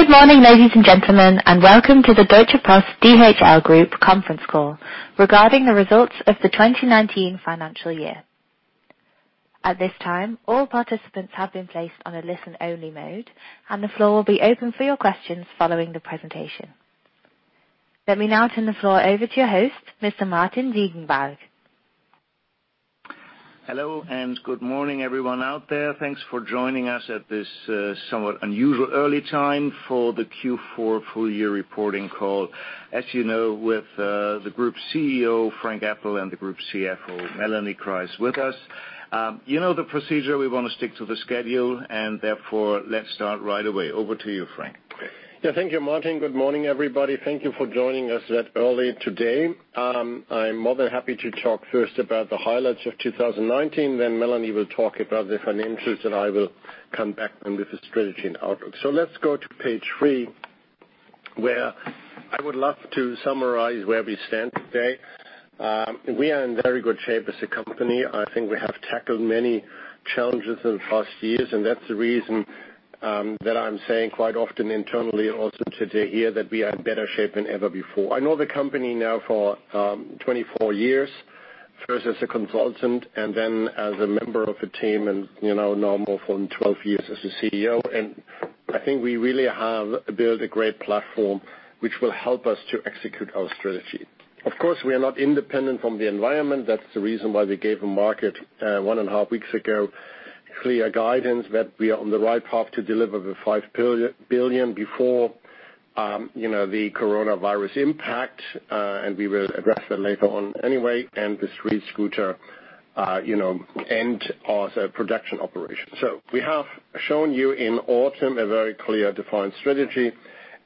Good morning, ladies and gentlemen, and welcome to the Deutsche Post DHL Group conference call regarding the results of the 2019 financial year. At this time, all participants have been placed on a listen-only mode, and the floor will be open for your questions following the presentation. Let me now turn the floor over to your host, Mr. Martin Ziegenbalg. Hello, good morning, everyone out there. Thanks for joining us at this somewhat unusual early time for the Q4 full year reporting call. As you know, with the group CEO, Frank Appel and the group CFO, Melanie Kreis, with us. You know the procedure. We want to stick to the schedule. Therefore, let's start right away. Over to you, Frank. Yeah. Thank you, Martin. Good morning, everybody. Thank you for joining us that early today. I'm more than happy to talk first about the highlights of 2019, then Melanie will talk about the financials, and I will come back then with the strategy and outlook. Let's go to page three where I would love to summarize where we stand today. We are in very good shape as a company. I think we have tackled many challenges in the past years, and that's the reason that I'm saying quite often internally and also today here, that we are in better shape than ever before. I know the company now for 24 years. First as a consultant and then as a member of a team, now for more than 12 years as a CEO, and I think we really have built a great platform which will help us to execute our strategy. Of course, we are not independent from the environment. That's the reason why we gave the market one and a half weeks ago clear guidance that we are on the right path to deliver the 5 billion before the coronavirus impact, and we will address that later on anyway, and the StreetScooter ended our production operation. We have shown you in autumn a very clear, defined strategy,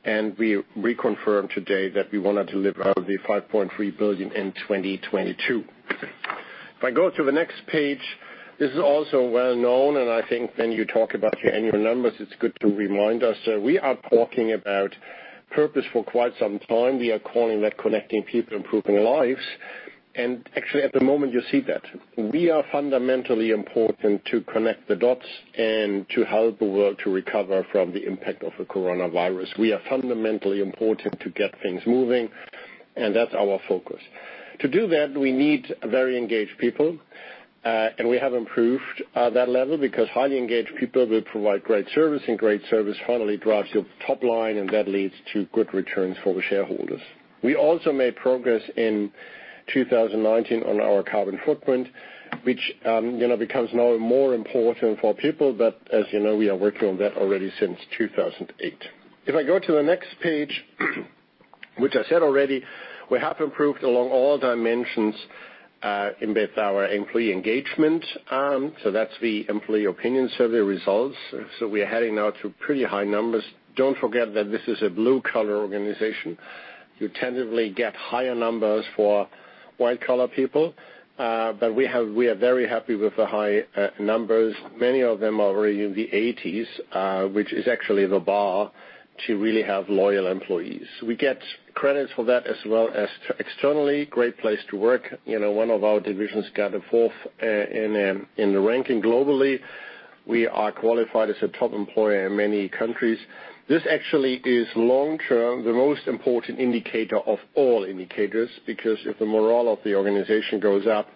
and we reconfirm today that we want to deliver the 5.3 billion in 2022. If I go to the next page, this is also well-known, and I think when you talk about your annual numbers, it's good to remind us. We are talking about purpose for quite some time. We are calling that Connecting People, Improving Lives, and actually, at the moment, you see that. We are fundamentally important to connect the dots and to help the world to recover from the impact of the coronavirus. We are fundamentally important to get things moving, and that's our focus. To do that, we need very engaged people, and we have improved that level because highly engaged people will provide great service, and great service finally drives your top line, and that leads to good returns for the shareholders. We also made progress in 2019 on our carbon footprint, which becomes now more important for people, but as you know, we are working on that already since 2008. If I go to the next page which I said already, we have improved along all dimensions in both our employee engagement. That's the employee opinion survey results. We are heading now to pretty high numbers. Don't forget that this is a blue-collar organization. You tentatively get higher numbers for white-collar people. We are very happy with the high numbers. Many of them are already in the 80s, which is actually the bar to really have loyal employees. We get credits for that as well as externally Great Place to Work. One of our divisions got a fourth in the ranking globally. We are qualified as a Top Employer in many countries. This actually is long-term, the most important indicator of all indicators because if the morale of the organization goes up,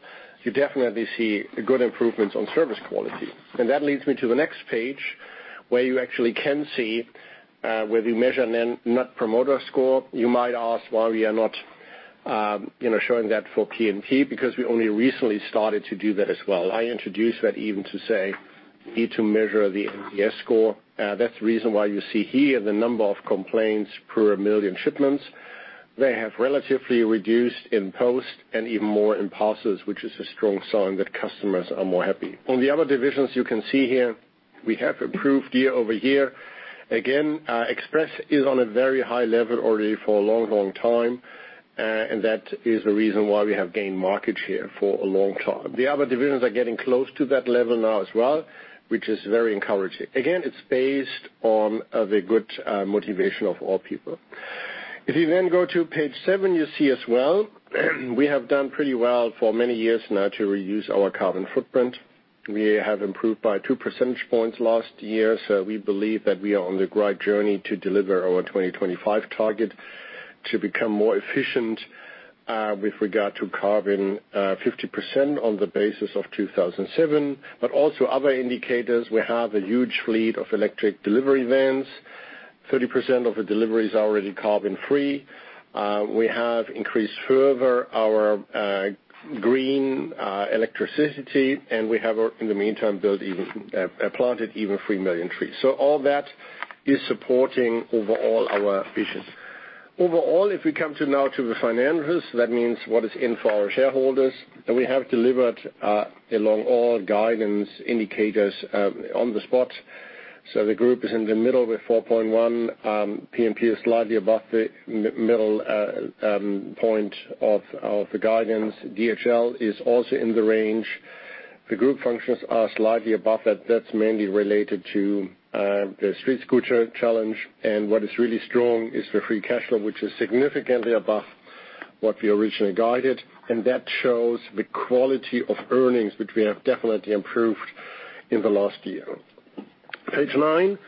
you definitely see a good improvement on service quality. That leads me to the next page, where you actually can see where we measure Net Promoter Score. You might ask why we are not showing that for P&P because we only recently started to do that as well. I introduced that even to say we need to measure the NPS score. That's the reason why you see here the number of complaints per million shipments. They have relatively reduced in Post and even more in Parcels, which is a strong sign that customers are more happy. On the other divisions, you can see here we have improved year-over-year. Again, Express is on a very high level already for a long, long time, and that is the reason why we have gained market share for a long time. The other divisions are getting close to that level now as well, which is very encouraging. Again, it's based on the good motivation of all people. If you go to page seven, you see as well we have done pretty well for many years now to reduce our carbon footprint. We have improved by two percentage points last year. We believe that we are on the right journey to deliver our 2025 target to become more efficient with regard to carbon 50% on the basis of 2007. Also other indicators. We have a huge fleet of electric delivery vans. 30% of the deliveries are already carbon-free. We have increased further our green electricity, and we have, in the meantime, planted even three million trees. All that is supporting overall our visions. Overall, if we come to now to the financials, that means what is in for our shareholders, we have delivered along all guidance indicators on the spot. The group is in the middle with 4.1. P&P is slightly above the middle point of the guidance. DHL is also in the range. The group functions are slightly above that. That's mainly related to the StreetScooter challenge. What is really strong is the free cash flow, which is significantly above what we originally guided, and that shows the quality of earnings, which we have definitely improved in the last year. Page nine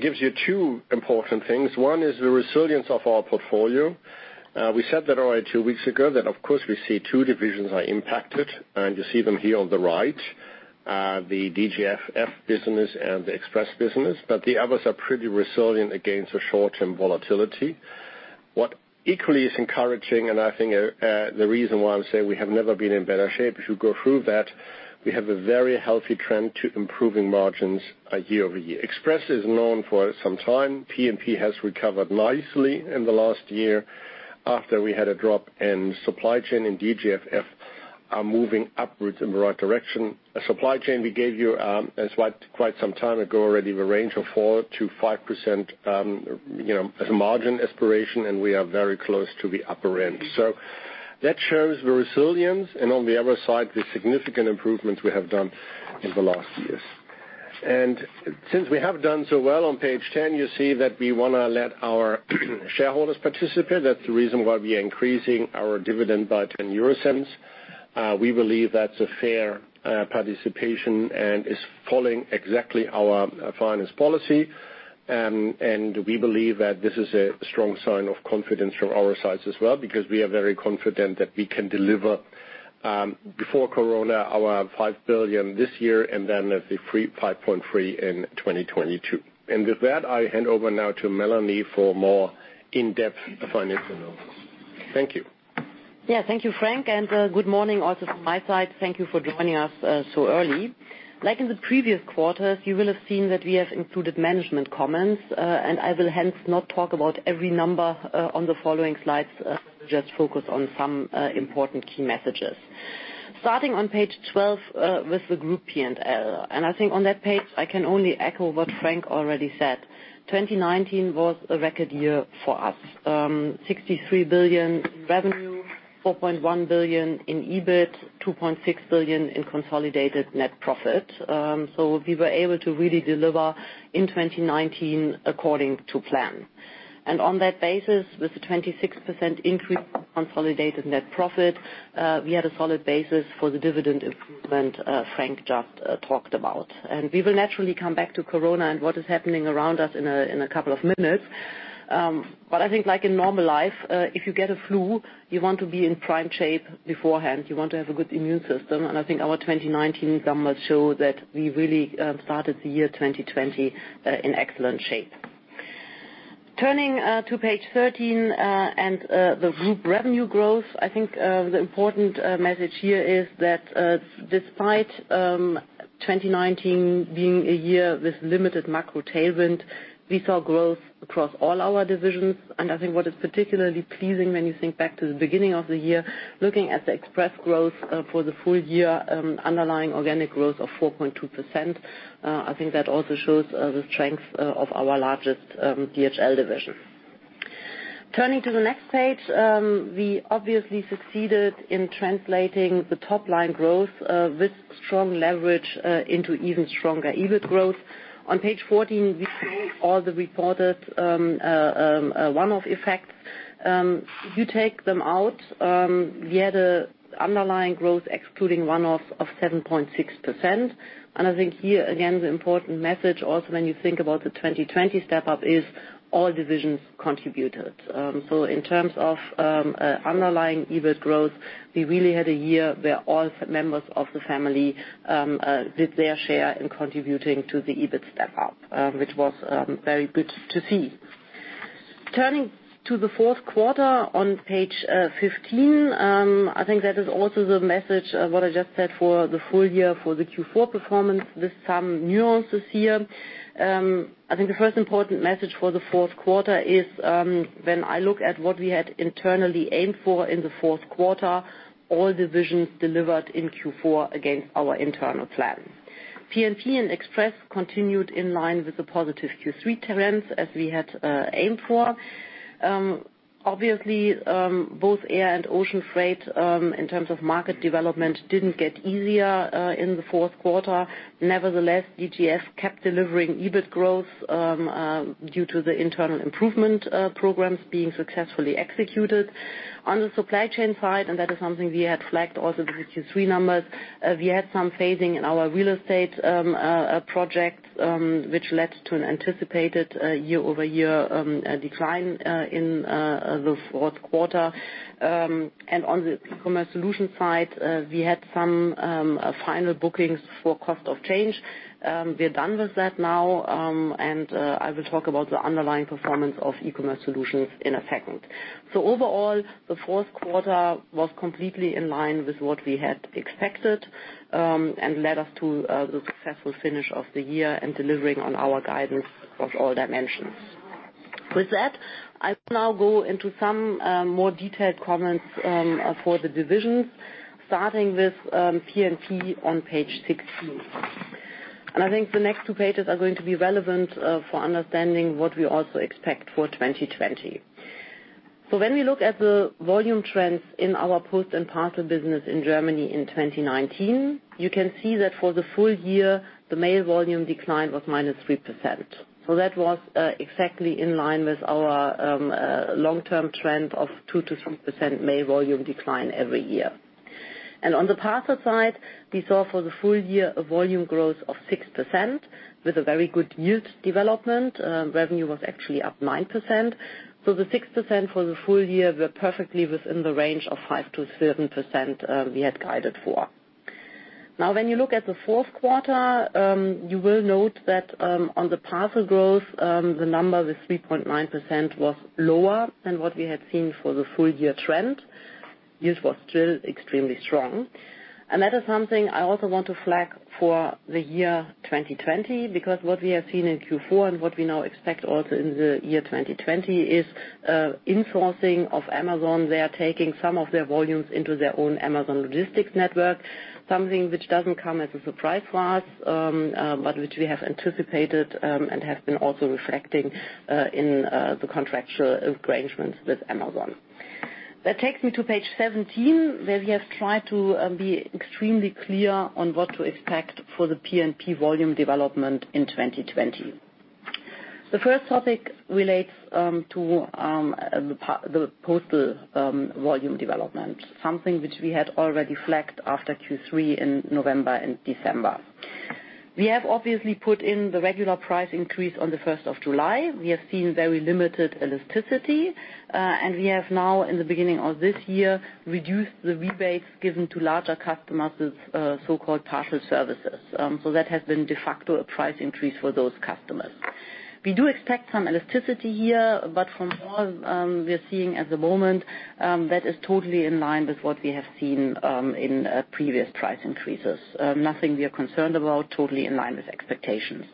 gives you two important things. One is the resilience of our portfolio. We said that already two weeks ago that, of course, we see two divisions are impacted, and you see them here on the right, the DGFF business and the Express business, but the others are pretty resilient against the short-term volatility. What equally is encouraging, and I think the reason why I'm saying we have never been in better shape, if you go through that, we have a very healthy trend to improving margins year over year. Express is known for some time. P&P has recovered nicely in the last year after we had a drop in Supply Chain, and DGFF are moving upwards in the right direction. A Supply Chain we gave you, quite some time ago already, the range of 4%-5% as a margin aspiration, and we are very close to the upper end. That shows the resilience and on the other side, the significant improvements we have done in the last years. Since we have done so well on page 10, you see that we want to let our shareholders participate. That's the reason why we are increasing our dividend by 0.10. We believe that's a fair participation and is following exactly our finance policy. We believe that this is a strong sign of confidence from our sides as well, because we are very confident that we can deliver, before COVID-19, our 5 billion this year and then the 5.3 billion in 2022. With that, I hand over now to Melanie for more in-depth financial numbers. Thank you. Thank you, Frank, and good morning also from my side. Thank you for joining us so early. Like in the previous quarters, you will have seen that we have included management comments, and I will hence not talk about every number on the following slides, just focus on some important key messages. Starting on page 12 with the group P&L. I think on that page, I can only echo what Frank already said. 2019 was a record year for us. 63 billion revenue, 4.1 billion in EBIT, 2.6 billion in consolidated net profit. We were able to really deliver in 2019 according to plan. On that basis, with the 26% increase in consolidated net profit, we had a solid basis for the dividend improvement Frank just talked about. We will naturally come back to COVID-19 and what is happening around us in a couple of minutes. I think like in normal life, if you get a flu, you want to be in prime shape beforehand. You want to have a good immune system. I think our 2019 numbers show that we really started the year 2020 in excellent shape. Turning to page 13, and the group revenue growth. I think the important message here is that, despite 2019 being a year with limited macro tailwind, we saw growth across all our divisions. I think what is particularly pleasing when you think back to the beginning of the year, looking at the Express growth for the full year, underlying organic growth of 4.2%. I think that also shows the strength of our largest DHL division. Turning to the next page, we obviously succeeded in translating the top-line growth with strong leverage into even stronger EBIT growth. On page 14, we show all the reported one-off effects. If you take them out, we had an underlying growth excluding one-off of 7.6%. I think here again, the important message also when you think about the 2020 step-up is all divisions contributed. In terms of underlying EBIT growth, we really had a year where all members of the family did their share in contributing to the EBIT step up, which was very good to see. Turning to the fourth quarter on page 15. I think that is also the message, what I just said for the full year for the Q4 performance with some nuances here. I think the first important message for the fourth quarter is, when I look at what we had internally aimed for in the fourth quarter, all divisions delivered in Q4 against our internal plan. P&P and Express continued in line with the positive Q3 trends as we had aimed for. Obviously, both air and ocean freight, in terms of market development, didn't get easier in the fourth quarter. Nevertheless, DGFF kept delivering EBIT growth due to the internal improvement programs being successfully executed. On the supply chain side, that is something we had flagged also with the Q3 numbers, we had some phasing in our real estate project, which led to an anticipated year-over-year decline in the fourth quarter. On the eCommerce Solution side, we had some final bookings for cost of change. We're done with that now. I will talk about the underlying performance of eCommerce Solutions in a second. Overall, the fourth quarter was completely in line with what we had expected, led us to the successful finish of the year and delivering on our guidance across all dimensions. With that, I will now go into some more detailed comments for the divisions, starting with P&P on page 16. I think the next two pages are going to be relevant for understanding what we also expect for 2020. When we look at the volume trends in our Post and Parcel business in Germany in 2019, you can see that for the full year, the mail volume decline was -3%. That was exactly in line with our long-term trend of 2% to some percent mail volume decline every year. On the Parcel side, we saw for the full year a volume growth of 6% with a very good yield development. Revenue was actually up 9%. The 6% for the full year were perfectly within the range of 5%-7% we had guided for. When you look at the fourth quarter, you will note that on the Parcel growth, the number, the 3.9%, was lower than what we had seen for the full year trend. Yield was still extremely strong. That is something I also want to flag for the year 2020, because what we have seen in Q4 and what we now expect also in the year 2020 is insourcing of Amazon. They are taking some of their volumes into their own Amazon Logistics network, something which doesn't come as a surprise to us, but which we have anticipated, and have been also reflecting, in the contractual arrangements with Amazon. That takes me to page 17, where we have tried to be extremely clear on what to expect for the P&P volume development in 2020. The first topic relates to the postal volume development, something which we had already flagged after Q3 in November and December. We have obviously put in the regular price increase on the 1st of July. We have seen very limited elasticity. We have now, in the beginning of this year, reduced the rebates given to larger customers with so-called parcel services. That has been de facto a price increase for those customers. We do expect some elasticity here, but from what we're seeing at the moment, that is totally in line with what we have seen in previous price increases. Nothing we are concerned about, totally in line with expectations.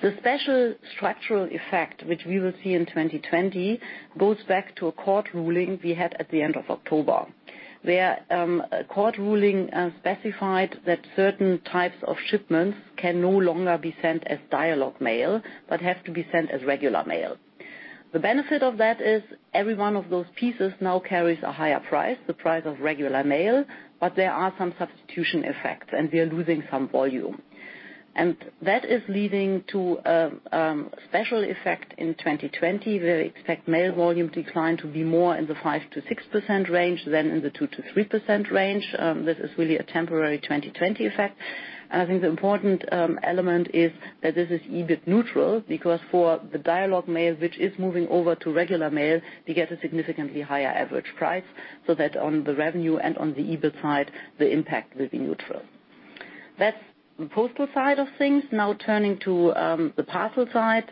The special structural effect, which we will see in 2020, goes back to a court ruling we had at the end of October, where a court ruling specified that certain types of shipments can no longer be sent as Dialogue Mail, but have to be sent as regular mail. The benefit of that is every one of those pieces now carries a higher price, the price of regular mail, but there are some substitution effects, and we are losing some volume. That is leading to a special effect in 2020. We expect mail volume decline to be more in the 5%-6% range than in the 2%-3% range. This is really a temporary 2020 effect. I think the important element is that this is EBIT neutral, because for the Dialogue Mail which is moving over to regular mail, we get a significantly higher average price, so that on the revenue and on the EBIT side, the impact will be neutral. That's the postal side of things. Turning to the Parcel side.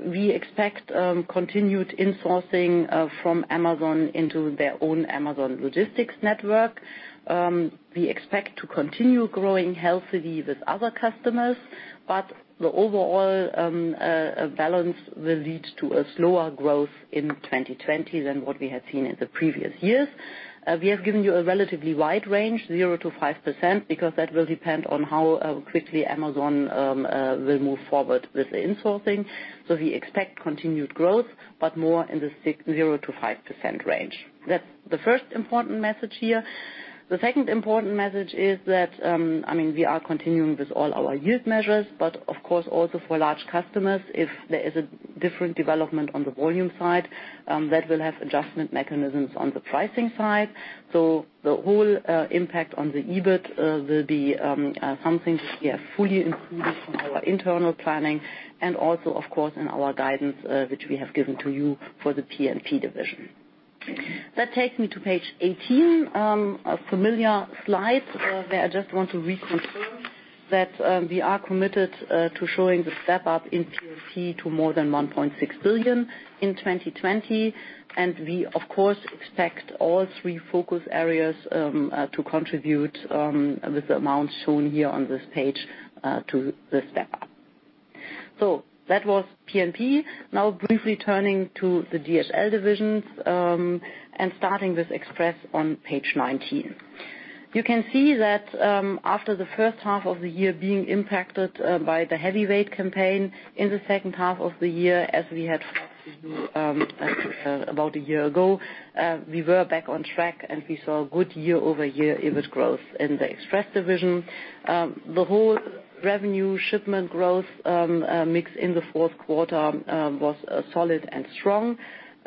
We expect continued insourcing from Amazon into their own Amazon Logistics network. We expect to continue growing healthily with other customers, but the overall balance will lead to a slower growth in 2020 than what we had seen in the previous years. We have given you a relatively wide range, 0%-5%, because that will depend on how quickly Amazon will move forward with the insourcing. We expect continued growth, but more in the 0%-5% range. That's the first important message here. The second important message is that, we are continuing with all our yield measures, but of course, also for large customers, if there is a different development on the volume side, that will have adjustment mechanisms on the pricing side. The whole impact on the EBIT will be something which we have fully included in our internal planning and also, of course, in our guidance, which we have given to you for the P&P division. That takes me to page 18. A familiar slide where I just want to reconfirm that we are committed to showing the step-up in P&P to more than 1.6 billion in 2020. We, of course, expect all three focus areas to contribute with the amounts shown here on this page to the step-up. That was P&P. Briefly turning to the DHL divisions, starting with Express on page 19. You can see that after the first half of the year being impacted by the heavyweight campaign in the second half of the year, as we had about a year ago, we were back on track and we saw good year-over-year EBIT growth in the Express division. The whole revenue shipment growth mix in the fourth quarter was solid and strong.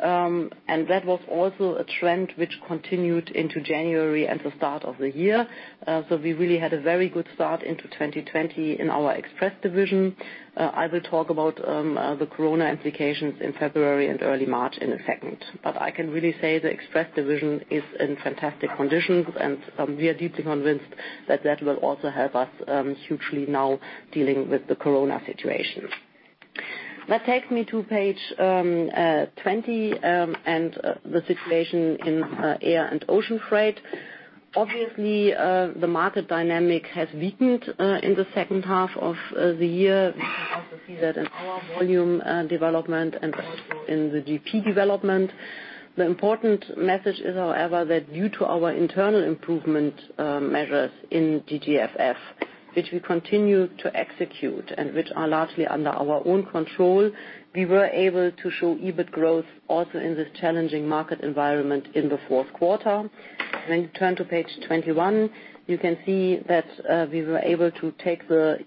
That was also a trend which continued into January and the start of the year. We really had a very good start into 2020 in our Express division. I will talk about the COVID-19 implications in February and early March in a second. I can really say the Express division is in fantastic conditions and we are deeply convinced that that will also help us hugely now dealing with the COVID-19 situation. That takes me to page 20, and the situation in air and ocean freight. Obviously, the market dynamic has weakened in the second half of the year. We can also see that in our volume development and also in the GP development. The important message is, however, that due to our internal improvement measures in DGFF, which we continue to execute and which are largely under our own control, we were able to show EBIT growth also in this challenging market environment in the fourth quarter. When you turn to page 21, you can see that we were able to take the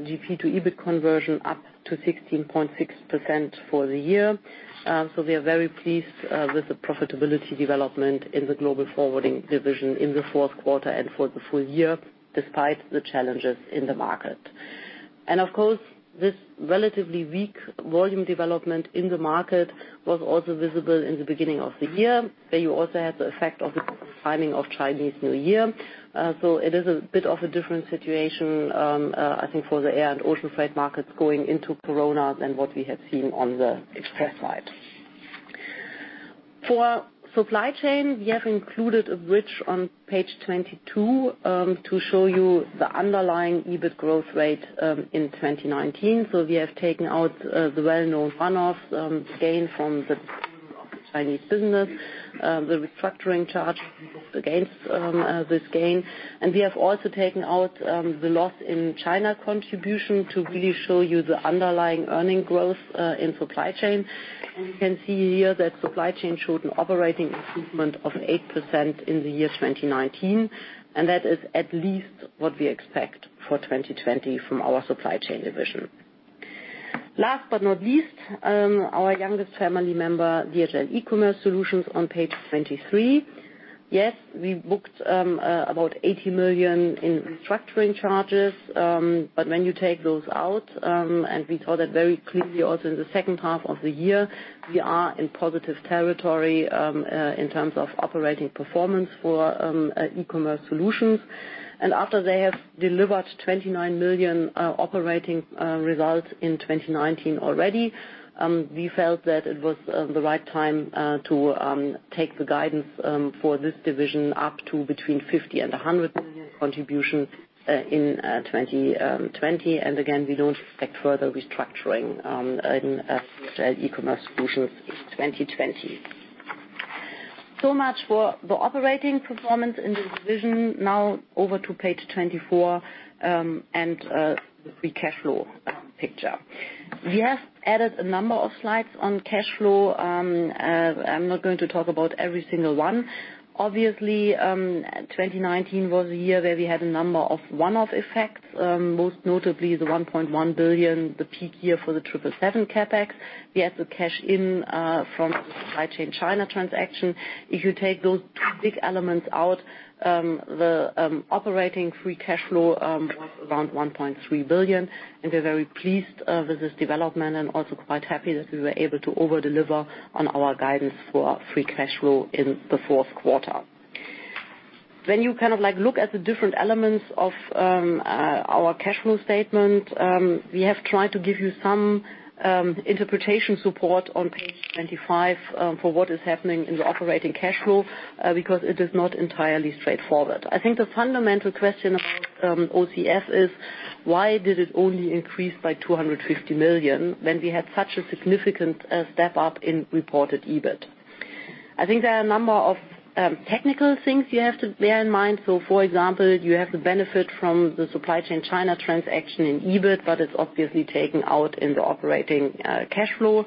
GP to EBIT conversion up to 16.6% for the year. We are very pleased with the profitability development in the global forwarding division in the fourth quarter and for the full year, despite the challenges in the market. Of course, this relatively weak volume development in the market was also visible in the beginning of the year, where you also had the effect of the timing of Chinese New Year. It is a bit of a different situation, I think, for the air and ocean freight markets going into COVID-19 than what we have seen on the Express side. For Supply Chain, we have included a bridge on page 22, to show you the underlying EBIT growth rate in 2019. We have taken out the well-known one-off gain from the Chinese business, the restructuring charge against this gain. We have also taken out the loss in China contribution to really show you the underlying earning growth in Supply Chain. You can see here that supply chain showed an operating improvement of 8% in the year 2019, and that is at least what we expect for 2020 from our supply chain division. Last but not least, our youngest family member, DHL eCommerce Solutions on page 23. Yes, we booked about 80 million in restructuring charges. When you take those out, and we saw that very clearly also in the second half of the year, we are in positive territory in terms of operating performance for eCommerce Solutions. After they have delivered 29 million operating results in 2019 already, we felt that it was the right time to take the guidance for this division up to between 50 million and 100 million contribution in 2020. Again, we don't expect further restructuring in DHL eCommerce Solutions in 2020. Much for the operating performance in this division. Over to page 24, and the free cash flow picture. We have added a number of slides on cash flow. I'm not going to talk about every single one. 2019 was a year where we had a number of one-off effects, most notably the 1.1 billion, the peak year for the 777 CapEx. We had the cash in from the Supply Chain China transaction. If you take those two big elements out, the operating free cash flow was around 1.3 billion, we're very pleased with this development and also quite happy that we were able to over-deliver on our guidance for free cash flow in the fourth quarter. When you look at the different elements of our cash flow statement, we have tried to give you some interpretation support on page 25 for what is happening in the operating cash flow, because it is not entirely straightforward. I think the fundamental question about OCF is, why did it only increase by 250 million when we had such a significant step up in reported EBIT? I think there are a number of technical things you have to bear in mind. For example, you have the benefit from the Supply Chain China transaction in EBIT, but it's obviously taken out in the operating cash flow.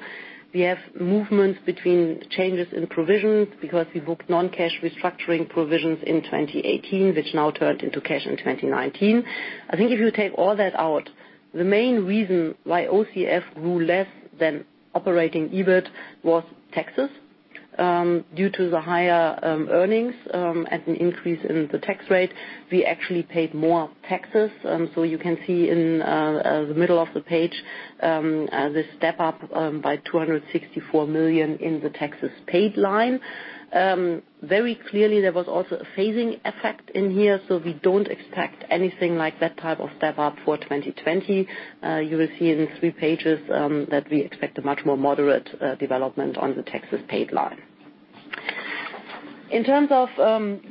We have movements between changes in provisions because we booked non-cash restructuring provisions in 2018, which now turned into cash in 2019. I think if you take all that out, the main reason why OCF grew less than operating EBIT was taxes. Due to the higher earnings, and an increase in the tax rate, we actually paid more taxes. You can see in the middle of the page, this step up by 264 million in the taxes paid line. Very clearly, there was also a phasing effect in here, so we don't expect anything like that type of step up for 2020. You will see in three pages, that we expect a much more moderate development on the taxes paid line. In terms of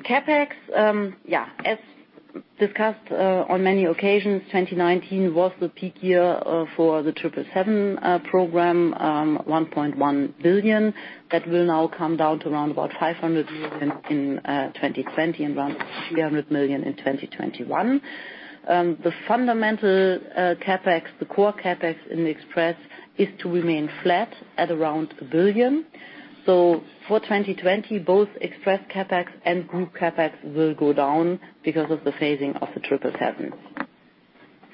CapEx, as discussed on many occasions, 2019 was the peak year for the 777 program, 1.1 billion. That will now come down to around about 500 million in 2020 and around 300 million in 2021. The fundamental CapEx, the core CapEx in the Express is to remain flat at around 1 billion. For 2020, both Express CapEx and Group CapEx will go down because of the phasing of the 777s.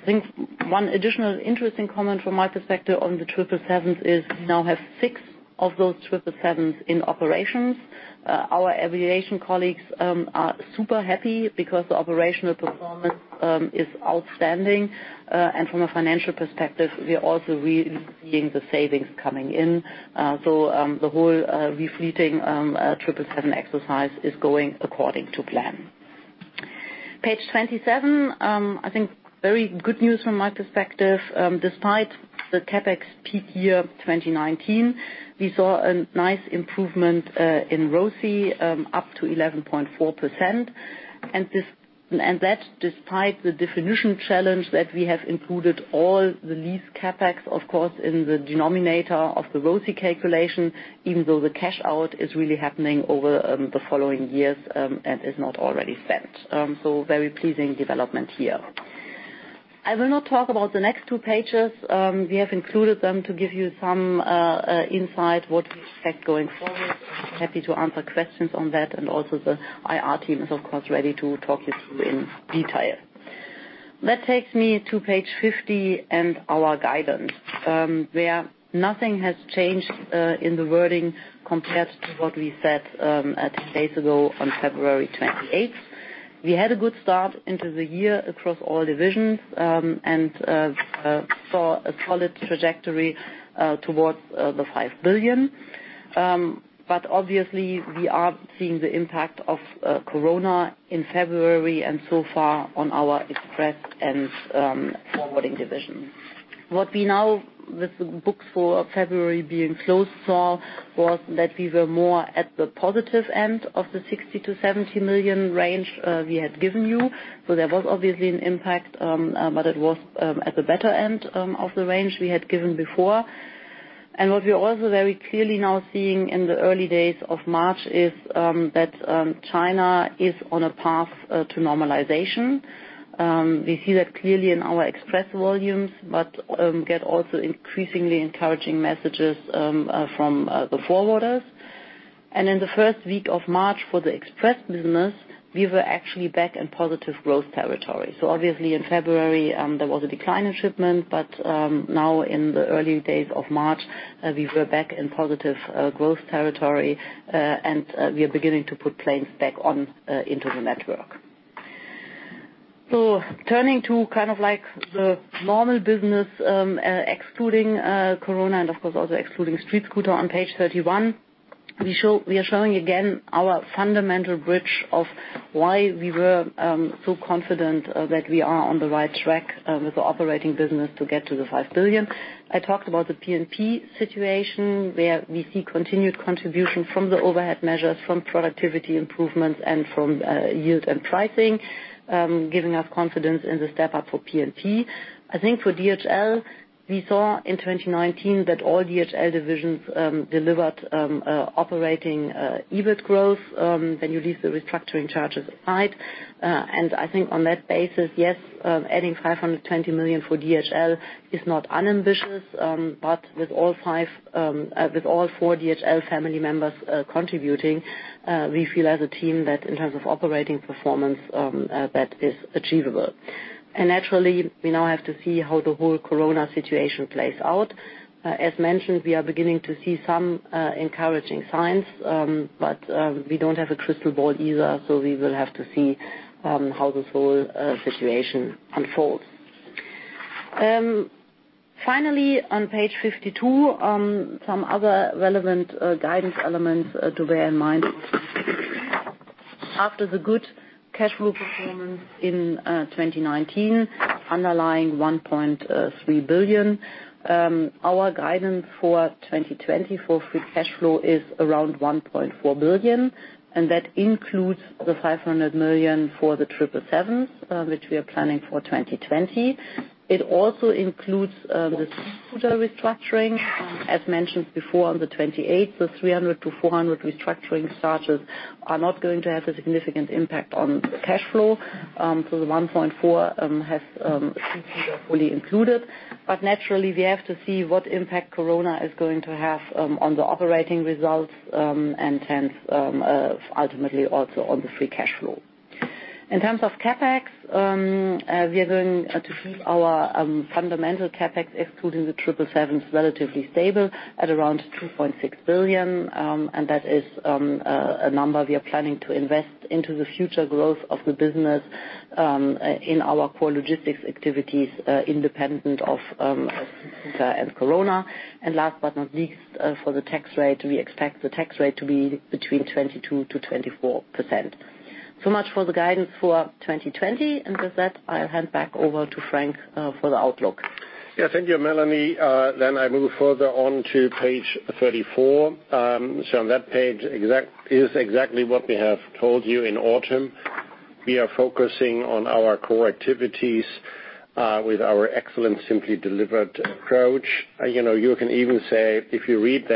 I think one additional interesting comment from my perspective on the 777s is we now have six of those 777s in operations. Our aviation colleagues are super happy because the operational performance is outstanding. From a financial perspective, we are also really seeing the savings coming in. The whole refleeting 777 exercise is going according to plan. Page 27, I think very good news from my perspective. Despite the CapEx peak year of 2019, we saw a nice improvement in ROCE up to 11.4%. That, despite the definition challenge that we have included all the lease CapEx, of course, in the denominator of the ROCE calculation, even though the cash out is really happening over the following years and is not already spent. Very pleasing development here. I will not talk about the next two pages. We have included them to give you some insight what we expect going forward. Happy to answer questions on that and also the IR team is, of course, ready to talk you through in detail. That takes me to page 50 and our guidance, where nothing has changed in the wording compared to what we said eight days ago on February 28th. We had a good start into the year across all divisions, and saw a solid trajectory towards the 5 billion. Obviously, we are seeing the impact of COVID-19 in February and so far on our Express and Forwarding divisions. What we now, with the books for February being closed, saw was that we were more at the positive end of the 60 million-70 million range we had given you. So there was obviously an impact, but it was at the better end of the range we had given before. What we're also very clearly now seeing in the early days of March is that China is on a path to normalization. We see that clearly in our Express volumes, but get also increasingly encouraging messages from the forwarders. In the first week of March for the Express business, we were actually back in positive growth territory. Obviously in February, there was a decline in shipment, but now in the early days of March, we were back in positive growth territory. We are beginning to put planes back on into the network. Turning to the normal business, excluding COVID-19 and of course also excluding StreetScooter on page 31. We are showing again our fundamental bridge of why we were so confident that we are on the right track with the operating business to get to the 5 billion. I talked about the P&P situation, where we see continued contribution from the overhead measures, from productivity improvements, and from yield and pricing, giving us confidence in the step-up for P&P. I think for DHL, we saw in 2019 that all DHL divisions delivered operating EBIT growth when you leave the restructuring charges aside. I think on that basis, yes, adding 520 million for DHL is not unambitious. With all four DHL family members contributing, we feel as a team that in terms of operating performance, that is achievable. Naturally, we now have to see how the whole COVID-19 situation plays out. As mentioned, we are beginning to see some encouraging signs. We don't have a crystal ball either, so we will have to see how this whole situation unfolds. Finally, on page 52, some other relevant guidance elements to bear in mind. After the good cash flow performance in 2019, underlying 1.3 billion. Our guidance for 2020 for free cash flow is around 1.4 billion. That includes the 500 million for the 777s, which we are planning for 2020. It also includes the StreetScooter restructuring. As mentioned before on the 28th, the 300 million to 400 million restructuring charges are not going to have a significant impact on cash flow. The 1.4 billion has fully included. Naturally, we have to see what impact COVID-19 is going to have on the operating results, and hence, ultimately also on the free cash flow. In terms of CapEx, we are going to keep our fundamental CapEx excluding the 777s relatively stable at around 2.6 billion. That is a number we are planning to invest into the future growth of the business in our core logistics activities, independent of and COVID-19. Last but not least, for the tax rate, we expect the tax rate to be between 22%-24%. Much for the guidance for 2020. With that, I'll hand back over to Frank for the outlook. Yes, thank you, Melanie. I move further on to page 34. On that page is exactly what we have told you in autumn. We are focusing on our core activities, with our Excellence. Simply Delivered. approach. You can even say, if you read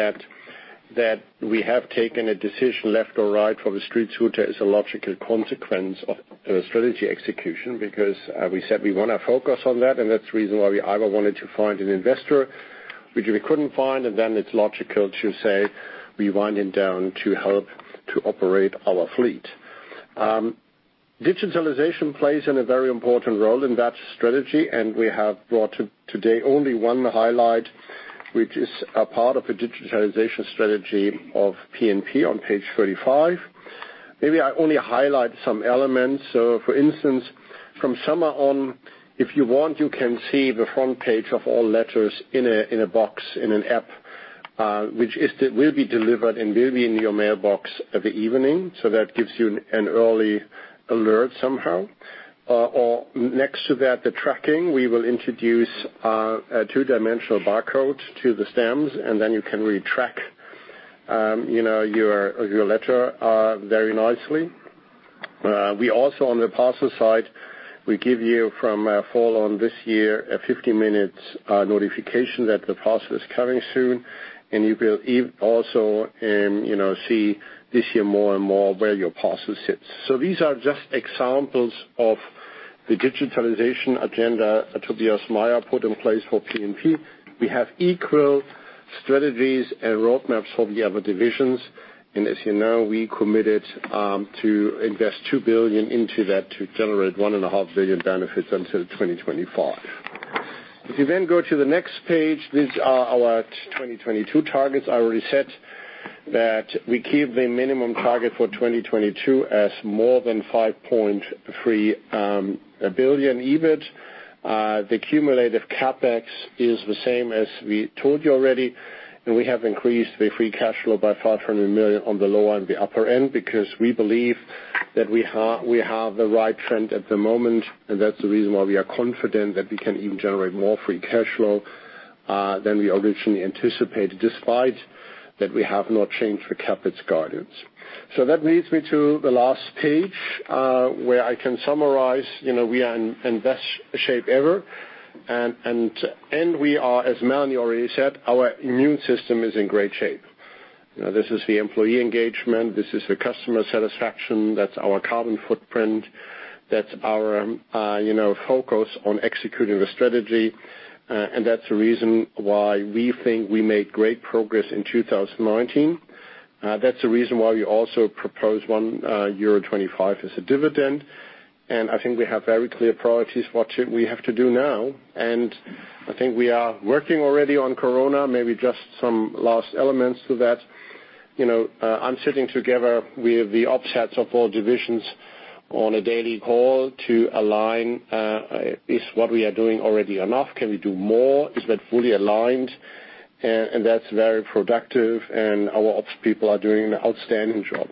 that we have taken a decision left or right for the StreetScooter as a logical consequence of the strategy execution, because we said we want to focus on that's the reason why we either wanted to find an investor, which we couldn't find, it's logical to say we wind it down to help to operate our fleet. Digitalization plays in a very important role in that strategy, we have brought today only one highlight, which is a part of a digitalization strategy of P&P on page 35. Maybe I only highlight some elements. For instance, from summer on, if you want, you can see the front page of all letters in a box in an app, which will be delivered and will be in your mailbox of the evening. That gives you an early alert somehow. Next to that, the tracking. We will introduce a two-dimensional barcode to the stamps, and then you can really track your letter very nicely. We also, on the parcel side, we give you from fall on this year a 15 minutes notification that the parcel is coming soon, and you will also see this year more and more where your parcel sits. These are just examples of the digitalization agenda Tobias Meyer put in place for P&P. We have equal strategies and roadmaps for the other divisions. As you know, we committed to invest 2 billion into that to generate one and a half billion benefits until 2025. If you then go to the next page, these are our 2022 targets. I already said that we keep the minimum target for 2022 as more than 5.3 billion EBIT. The cumulative CapEx is the same as we told you already, and we have increased the free cash flow by 500 million on the lower and the upper end because we believe that we have the right trend at the moment, and that's the reason why we are confident that we can even generate more free cash flow than we originally anticipated, despite that we have not changed the CapEx guidance. That leads me to the last page, where I can summarize, we are in best shape ever. We are, as Melanie already said, our immune system is in great shape. This is the employee engagement. This is the customer satisfaction. That's our carbon footprint. That's our focus on executing the strategy. That's the reason why we think we made great progress in 2019. That's the reason why we also propose 1.25 euro as a dividend. I think we have very clear priorities for what we have to do now. I think we are working already on COVID-19, maybe just some last elements to that. I'm sitting together with the officers of all divisions on a daily call to align, is what we are doing already enough? Can we do more? Is that fully aligned? That's very productive, and our ops people are doing an outstanding job.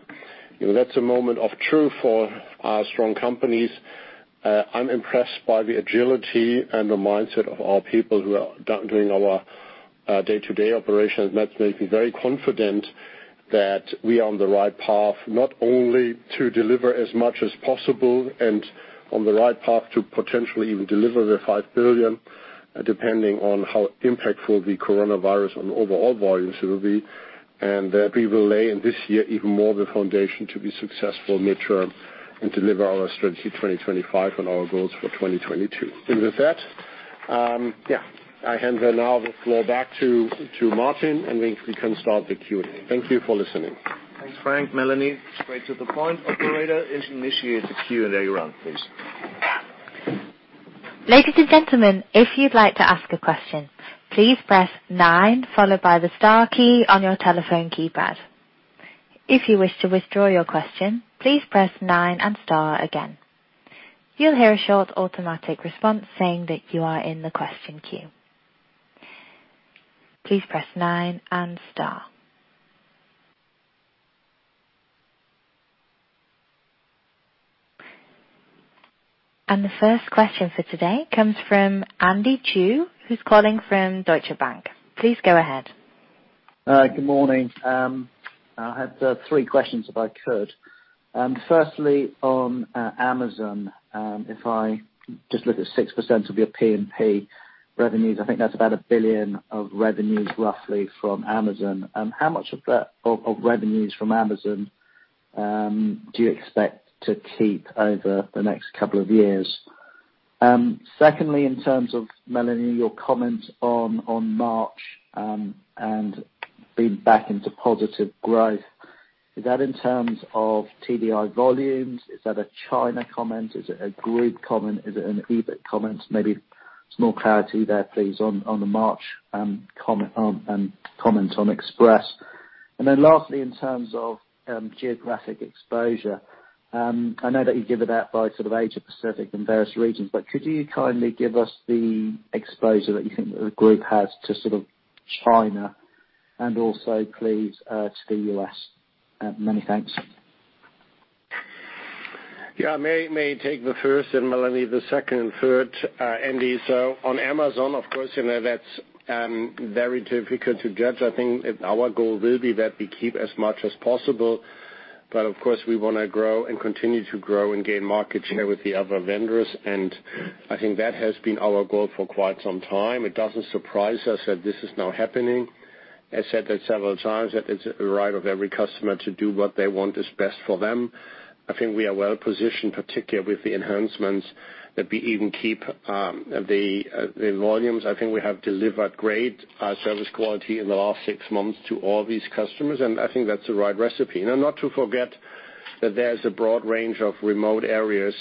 That's a moment of truth for our strong companies. I'm impressed by the agility and the mindset of our people who are doing our day-to-day operations. That makes me very confident that we are on the right path, not only to deliver as much as possible and on the right path to potentially even deliver the 5 billion, depending on how impactful the coronavirus on overall volumes will be, and that we will lay in this year even more the foundation to be successful midterm and deliver our strategy 2025 and our goals for 2022. With that, I hand the now the floor back to Martin, and we can start the Q&A. Thank you for listening. Thanks, Frank, Melanie. Straight to the point. Operator, initiate the Q&A run, please. Ladies and gentlemen, if you'd like to ask a question, please press nine followed by the star key on your telephone keypad. If you wish to withdraw your question, please press nine and star again. You'll hear a short automatic response saying that you are in the question queue. Please press nine and star. The first question for today comes from Andy Chu, who's calling from Deutsche Bank. Please go ahead. Good morning. I had three questions, if I could. On Amazon, if I just look at 6% of your P&P revenues, I think that's about 1 billion of revenues roughly from Amazon. How much of revenues from Amazon do you expect to keep over the next couple of years? In terms of Melanie, your comment on March and being back into positive growth. Is that in terms of TDI volumes? Is that a China comment? Is it a group comment? Is it an EBIT comment? Maybe some more clarity there, please, on the March comment on Express. Lastly, in terms of geographic exposure. I know that you give it out by sort of Asia Pacific and various regions, could you kindly give us the exposure that you think that the group has to sort of China and also please, to the U.S.? Many thanks. May take the first and Melanie, the second and third. Andy, on Amazon, of course, that's very difficult to judge. I think our goal will be that we keep as much as possible. Of course, we want to grow and continue to grow and gain market share with the other vendors. I think that has been our goal for quite some time. It doesn't surprise us that this is now happening. I said that several times, that it's a right of every customer to do what they want is best for them. I think we are well-positioned, particularly with the enhancements that we even keep the volumes. I think we have delivered great service quality in the last six months to all these customers, and I think that's the right recipe. Now, not to forget that there's a broad range of remote areas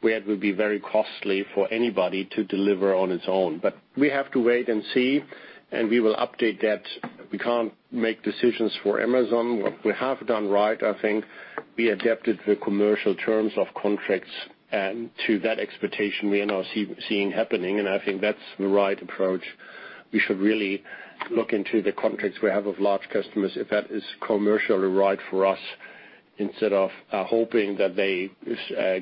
where it will be very costly for anybody to deliver on its own. We have to wait and see, and we will update that. We can't make decisions for Amazon. What we have done right, I think we adapted the commercial terms of contracts and to that expectation we are now seeing happening, and I think that's the right approach. We should really look into the contracts we have of large customers, if that is commercially right for us instead of hoping that they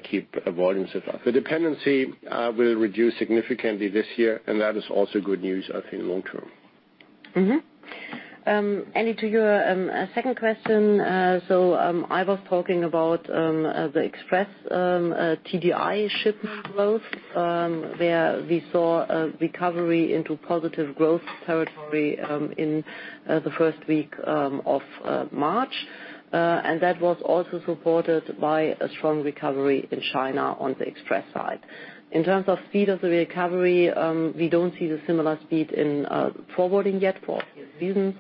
keep volumes. The dependency will reduce significantly this year, and that is also good news, I think, long term. Andy, to your second question, I was talking about the Express TDI shipment growth, where we saw a recovery into positive growth territory in the first week of March. That was also supported by a strong recovery in China on the Express side. In terms of speed of the recovery, we don't see the similar speed in forwarding yet for obvious reasons.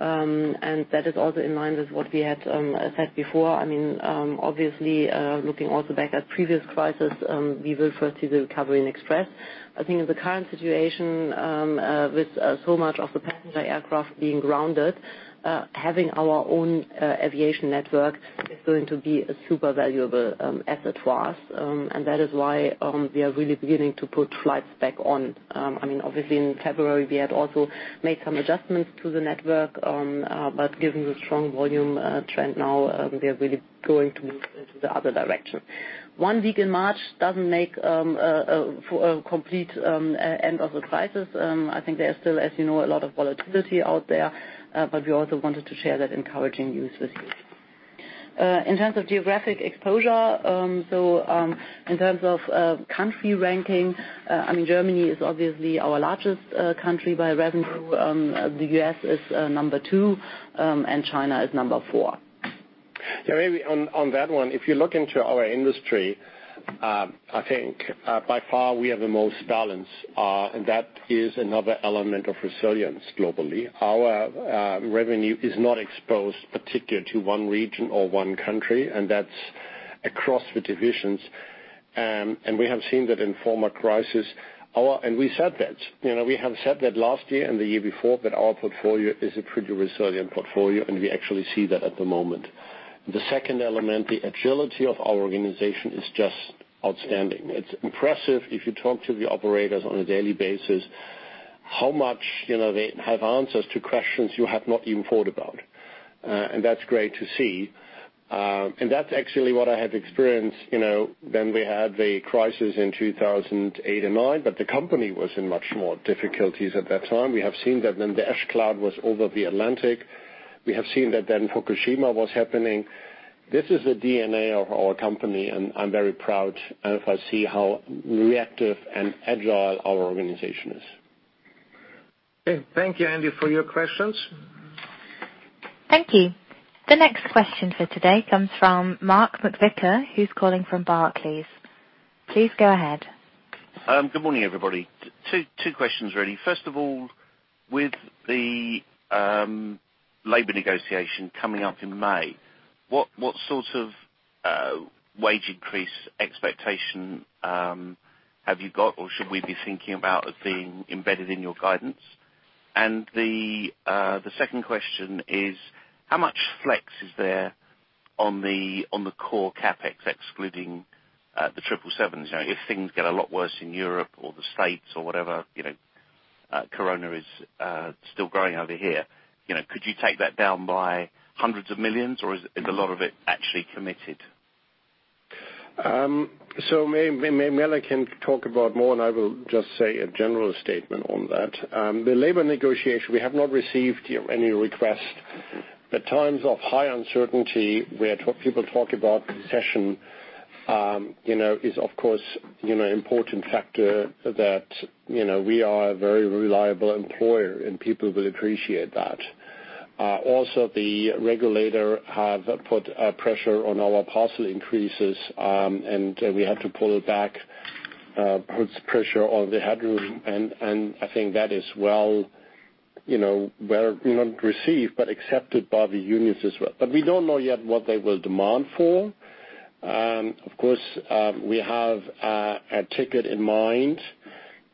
That is also in line with what we had said before. Looking also back at previous crisis, we refer to the recovery in Express. I think in the current situation, with so much of the passenger aircraft being grounded, having our own aviation network is going to be a super valuable asset for us. That is why we are really beginning to put flights back on. In February, we had also made some adjustments to the network. Given the strong volume trend now, we are really going to move into the other direction. One week in March doesn't make a complete end of the crisis. I think there is still, as you know, a lot of volatility out there. We also wanted to share that encouraging news with you. In terms of geographic exposure, so in terms of country ranking, Germany is obviously our largest country by revenue. The U.S. is number two, and China is number four. Yeah, maybe on that one, if you look into our industry, I think, by far we have the most balance, and that is another element of resilience globally. Our revenue is not exposed particular to one region or one country, and that's across the divisions. We have seen that in former crisis. We said that. We have said that last year and the year before, that our portfolio is a pretty resilient portfolio, and we actually see that at the moment. The second element, the agility of our organization is just outstanding. It's impressive if you talk to the operators on a daily basis, how much they have answers to questions you have not even thought about. That's great to see. That's actually what I have experienced, when we had the crisis in 2008 and 2009, but the company was in much more difficulties at that time. We have seen that when the ash cloud was over the Atlantic. We have seen that when Fukushima was happening. This is the DNA of our company, and I'm very proud if I see how reactive and agile our organization is. Okay. Thank you, Andy, for your questions. Thank you. The next question for today comes from Mark McVicar, who's calling from Barclays. Please go ahead. Good morning, everybody. Two questions, really. First of all, with the labor negotiation coming up in May, what sort of wage increase expectation have you got, or should we be thinking about as being embedded in your guidance? The second question is, how much flex is there on the core CapEx excluding the 777? If things get a lot worse in Europe or the States or whatever, COVID-19 is still growing over here. Could you take that down by hundreds of millions, or is a lot of it actually committed? Maybe Melanie can talk about more, and I will just say a general statement on that. The labor negotiation, we have not received any request. At times of high uncertainty where people talk about concession is, of course, important factor that we are a very reliable employer, and people will appreciate that. Also, the regulator have put pressure on our parcel increases, and we have to pull back, puts pressure on the headroom. I think that is well-received but accepted by the unions as well. We don't know yet what they will demand for. Of course, we have a ticket in mind.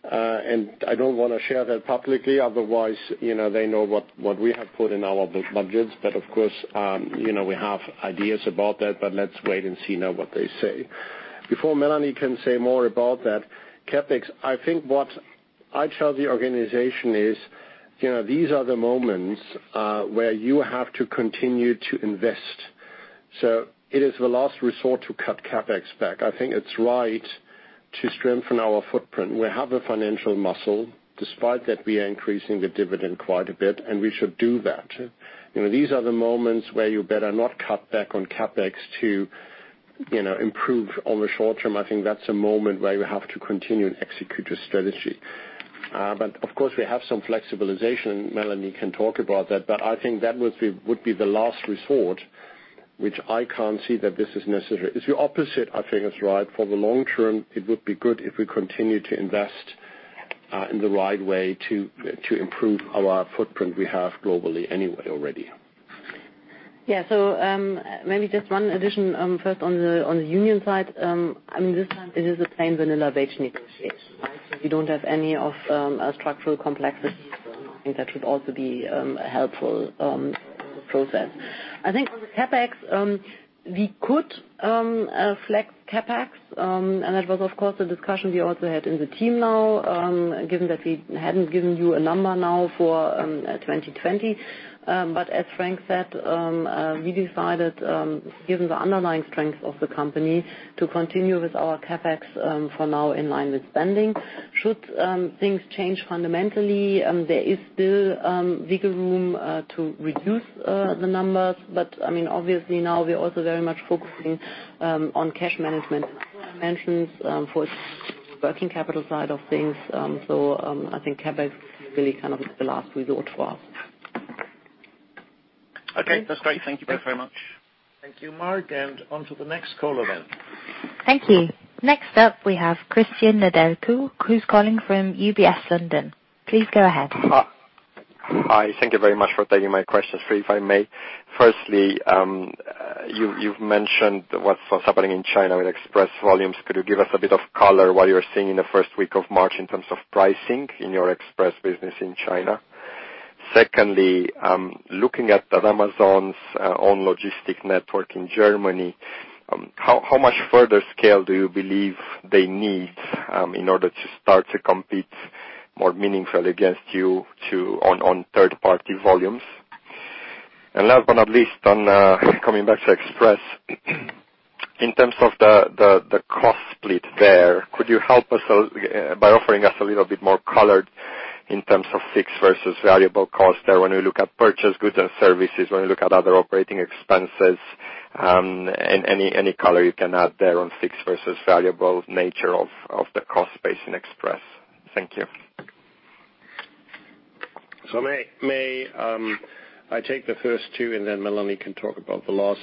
I don't want to share that publicly. Otherwise, they know what we have put in our budgets. Of course, we have ideas about that, but let's wait and see now what they say. Before Melanie can say more about that, CapEx, I think what I tell the organization is, these are the moments where you have to continue to invest. It is the last resort to cut CapEx back. I think it's right to strengthen our footprint. We have the financial muscle, despite that we are increasing the dividend quite a bit, and we should do that. These are the moments where you better not cut back on CapEx to improve on the short term. I think that's a moment where you have to continue and execute your strategy. Of course, we have some flexibilization. Melanie can talk about that. I think that would be the last resort, which I can't see that this is necessary. It's the opposite, I think that's right. For the long term, it would be good if we continue to invest in the right way to improve our footprint we have globally anyway already. Yeah. Maybe just one addition. First on the union side, this time it is a plain vanilla wage negotiation. We don't have any of structural complexities. I think that should also be a helpful process. I think on CapEx, we could flex CapEx. That was, of course, the discussion we also had in the team now, given that we hadn't given you a number now for 2020. As Frank said, we decided, given the underlying strength of the company, to continue with our CapEx for now in line with spending. Should things change fundamentally, there is still wiggle room to reduce the numbers. Obviously now we're also very much focusing on cash management as I mentioned, for working capital side of things. I think CapEx really kind of is the last resort for us. Okay. That's great. Thank you both very much. Thank you, Mark. Onto the next caller then. Thank you. Next up, we have Cristian Nedelcu, who's calling from UBS London. Please go ahead. Hi. Thank you very much for taking my questions. Three, if I may. Firstly, you've mentioned what's happening in China with Express volumes. Could you give us a bit of color what you're seeing in the first week of March in terms of pricing in your Express business in China? Secondly, looking at Amazon's own logistic network in Germany, how much further scale do you believe they need in order to start to compete more meaningfully against you on third-party volumes? Last but not least, on coming back to Express. In terms of the cost split there, could you help us by offering us a little bit more color in terms of fixed versus variable cost there when we look at purchase goods and services, when we look at other operating expenses, and any color you can add there on fixed versus variable nature of the cost base in Express? Thank you. May I take the first two and then Melanie can talk about the last?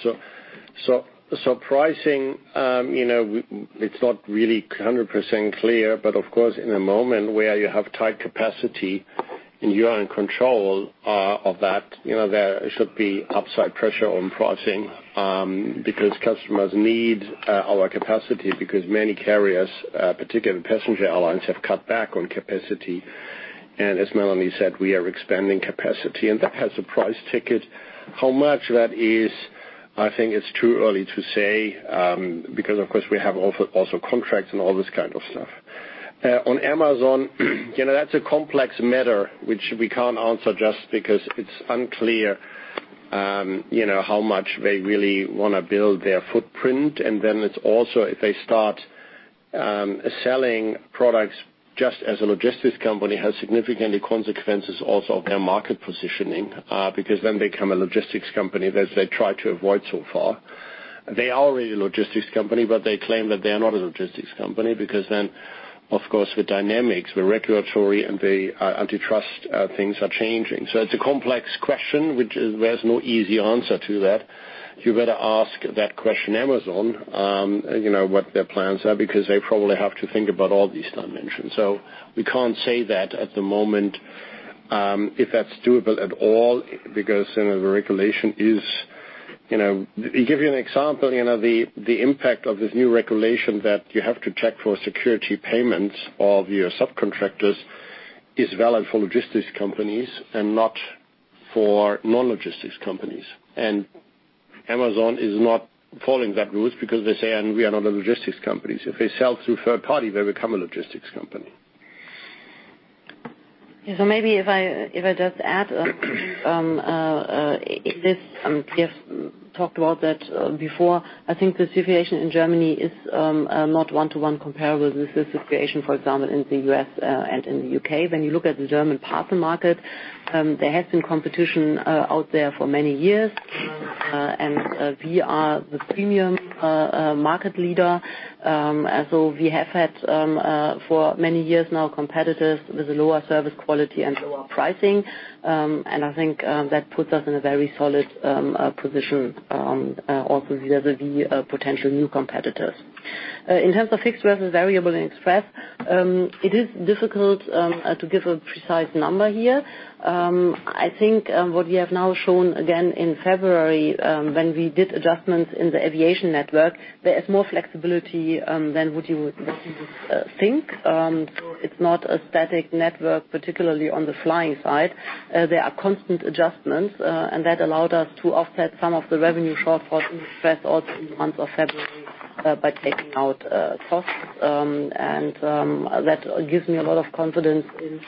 Pricing, it's not really 100% clear, but of course, in a moment where you have tight capacity and you are in control of that, there should be upside pressure on pricing, because customers need our capacity, because many carriers, particularly passenger airlines, have cut back on capacity. As Melanie said, we are expanding capacity, and that has a price ticket. How much that is, I think it's too early to say, because of course we have also contracts and all this kind of stuff. On Amazon, that's a complex matter, which we can't answer just because it's unclear how much they really want to build their footprint. It's also, if they start selling products just as a logistics company, has significant consequences also of their market positioning, because then they become a logistics company that they try to avoid so far. They are already a logistics company, they claim that they are not a logistics company because then, of course, the dynamics, the regulatory, and the antitrust things are changing. It's a complex question, which there's no easy answer to that. You better ask that question, Amazon, what their plans are, because they probably have to think about all these dimensions. We can't say that at the moment, if that's doable at all, because the regulation. To give you an example, the impact of this new regulation that you have to check for security payments of your subcontractors is valid for logistics companies and not for non-logistics companies. Amazon is not following that route because they say, "We are not a logistics company." If they sell through third party, they become a logistics company. Yeah. Maybe if I just add, we have talked about that before. I think the situation in Germany is not one-to-one comparable with the situation, for example, in the U.S. and in the U.K. When you look at the German parcel market, there has been competition out there for many years. We are the premium market leader. We have had, for many years now, competitors with a lower service quality and lower pricing. I think that puts us in a very solid position also vis-à-vis potential new competitors. In terms of fixed versus variable in Express, it is difficult to give a precise number here. I think what we have now shown again in February, when we did adjustments in the aviation network, there is more flexibility than what you would think. It's not a static network, particularly on the flying side. There are constant adjustments, that allowed us to offset some of the revenue shortfall in Express also in the month of February, by taking out costs. That gives me a lot of confidence in,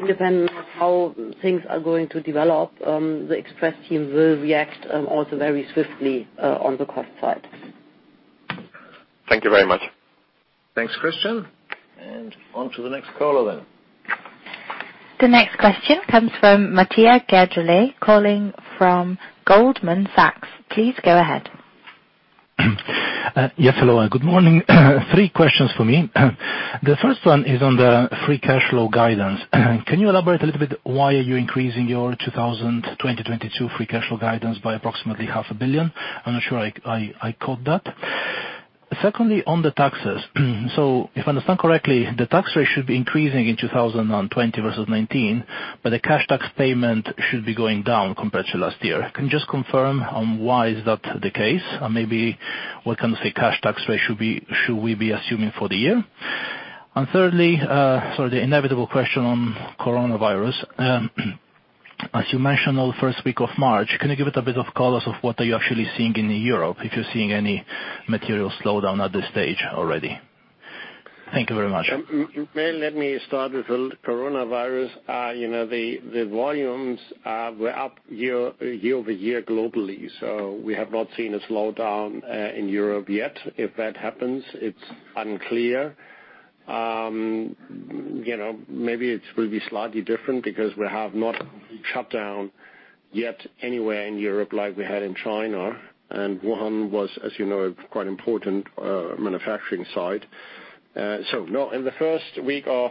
independent how things are going to develop, the Express team will react also very swiftly on the cost side. Thank you very much. Thanks, Cristian. Onto the next caller then. The next question comes from Matija Gergolet, calling from Goldman Sachs. Please go ahead. Hello, and good morning. Three questions for me. The first one is on the free cash flow guidance. Can you elaborate a little bit why are you increasing your 2022 free cash flow guidance by approximately 500 million? I'm not sure I caught that. Secondly, on the taxes. If I understand correctly, the tax rate should be increasing in 2020 versus 2019, but the cash tax payment should be going down compared to last year. Can you just confirm on why is that the case? Maybe what kind of, say, cash tax rate should we be assuming for the year? Thirdly, the inevitable question on coronavirus. As you mentioned on the first week of March, can you give it a bit of color of what are you actually seeing in Europe, if you're seeing any material slowdown at this stage already? Thank you very much. Let me start with the coronavirus. The volumes were up year-over-year globally, we have not seen a slowdown in Europe yet. If that happens, it's unclear. Maybe it will be slightly different because we have not shut down yet anywhere in Europe like we had in China. Wuhan was, as you know, a quite important manufacturing site. No, in the first week of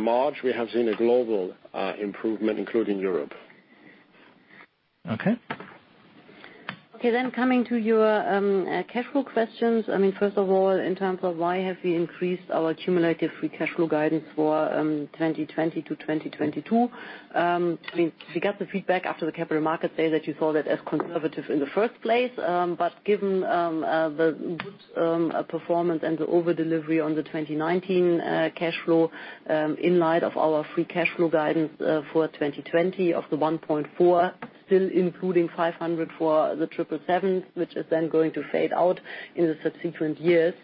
March, we have seen a global improvement, including Europe. Okay. Okay. Coming to your cash flow questions. First of all, in terms of why have we increased our cumulative free cash flow guidance for 2020-2022. We got the feedback after the capital market day that you saw that as conservative in the first place. Given the good performance and the over delivery on the 2019 cash flow, in light of our free cash flow guidance for 2020 of 1.4 billion, still including 500 million for the 777, which is going to fade out in the subsequent years.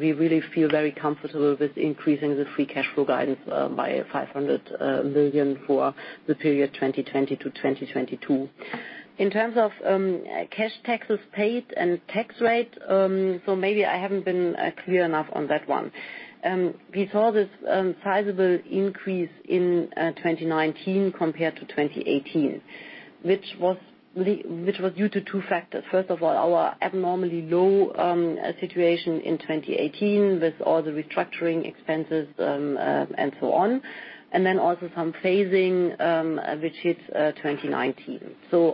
We really feel very comfortable with increasing the free cash flow guidance by 500 million for the period 2020 to 2022. In terms of cash taxes paid and tax rate, maybe I haven't been clear enough on that one. We saw this sizable increase in 2019 compared to 2018, which was due to two factors. Our abnormally low situation in 2018 with all the restructuring expenses, and so on. Also some phasing, which hits 2019.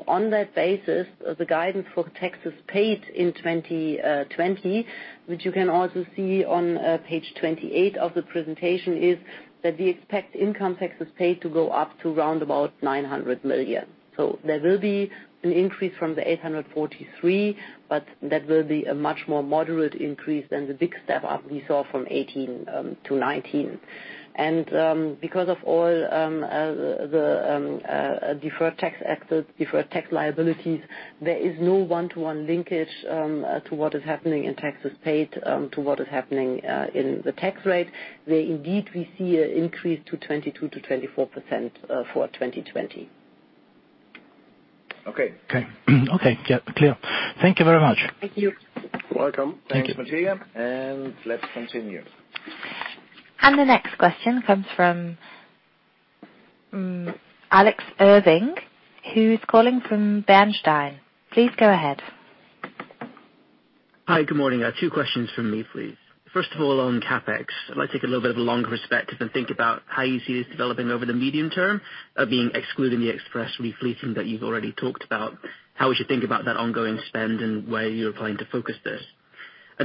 On that basis, the guidance for taxes paid in 2020, which you can also see on page 28 of the presentation, is that we expect income taxes paid to go up to round about 900 million. There will be an increase from the 843, but that will be a much more moderate increase than the big step up we saw from 2018-2019. Because of all the deferred tax liabilities, there is no one-to-one linkage to what is happening in taxes paid to what is happening in the tax rate, where indeed we see an increase to 22%-24% for 2020. Okay. Yeah. Clear. Thank you very much. Thank you. Welcome. Thank you. Thanks, Matija, and let's continue. The next question comes from Alex Irving, who's calling from Bernstein. Please go ahead. Hi. Good morning. Two questions from me, please. First of all, on CapEx, I'd like to take a little bit of a longer perspective and think about how you see this developing over the medium term, being excluding the Express refleeting that you've already talked about, how we should think about that ongoing spend and where you're planning to focus this.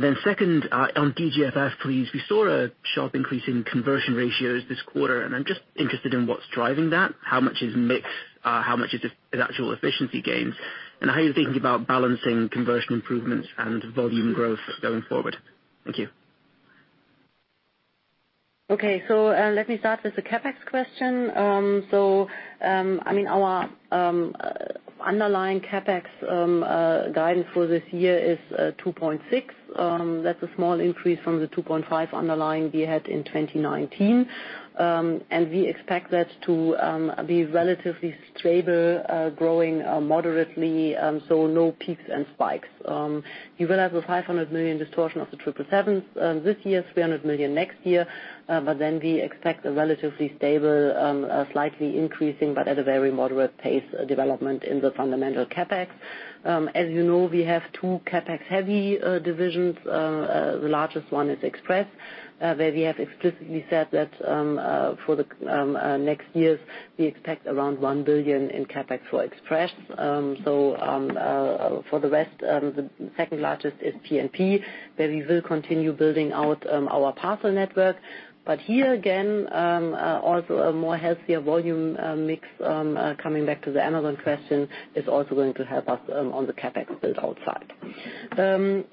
Then second, on DGFF, please. We saw a sharp increase in conversion ratios this quarter, and I'm just interested in what's driving that, how much is mix, how much is just actual efficiency gains, and how you're thinking about balancing conversion improvements and volume growth going forward. Thank you. Okay. Let me start with the CapEx question. Our underlying CapEx guidance for this year is 2.6. That's a small increase from the 2.5 underlying we had in 2019. We expect that to be relatively stable, growing moderately, so no peaks and spikes. You will have a 500 million distortion of the 777 this year, 300 million next year. Then we expect a relatively stable, slightly increasing, but at a very moderate pace, development in the fundamental CapEx. As you know, we have two CapEx-heavy divisions. The largest one is Express, where we have explicitly said that for the next years, we expect around 1 billion in CapEx for Express. For the rest, the second largest is P&P, where we will continue building out our parcel network. Here again, also a more healthier volume mix, coming back to the Amazon question, is also going to help us on the CapEx build-out side.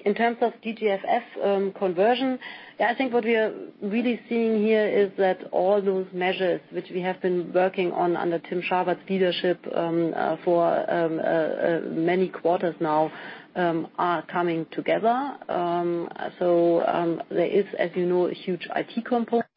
In terms of DGFF conversion, I think what we are really seeing here is that all those measures which we have been working on under Tim Scharwath's leadership for many quarters now are coming together. There is, as you know, a huge IT component.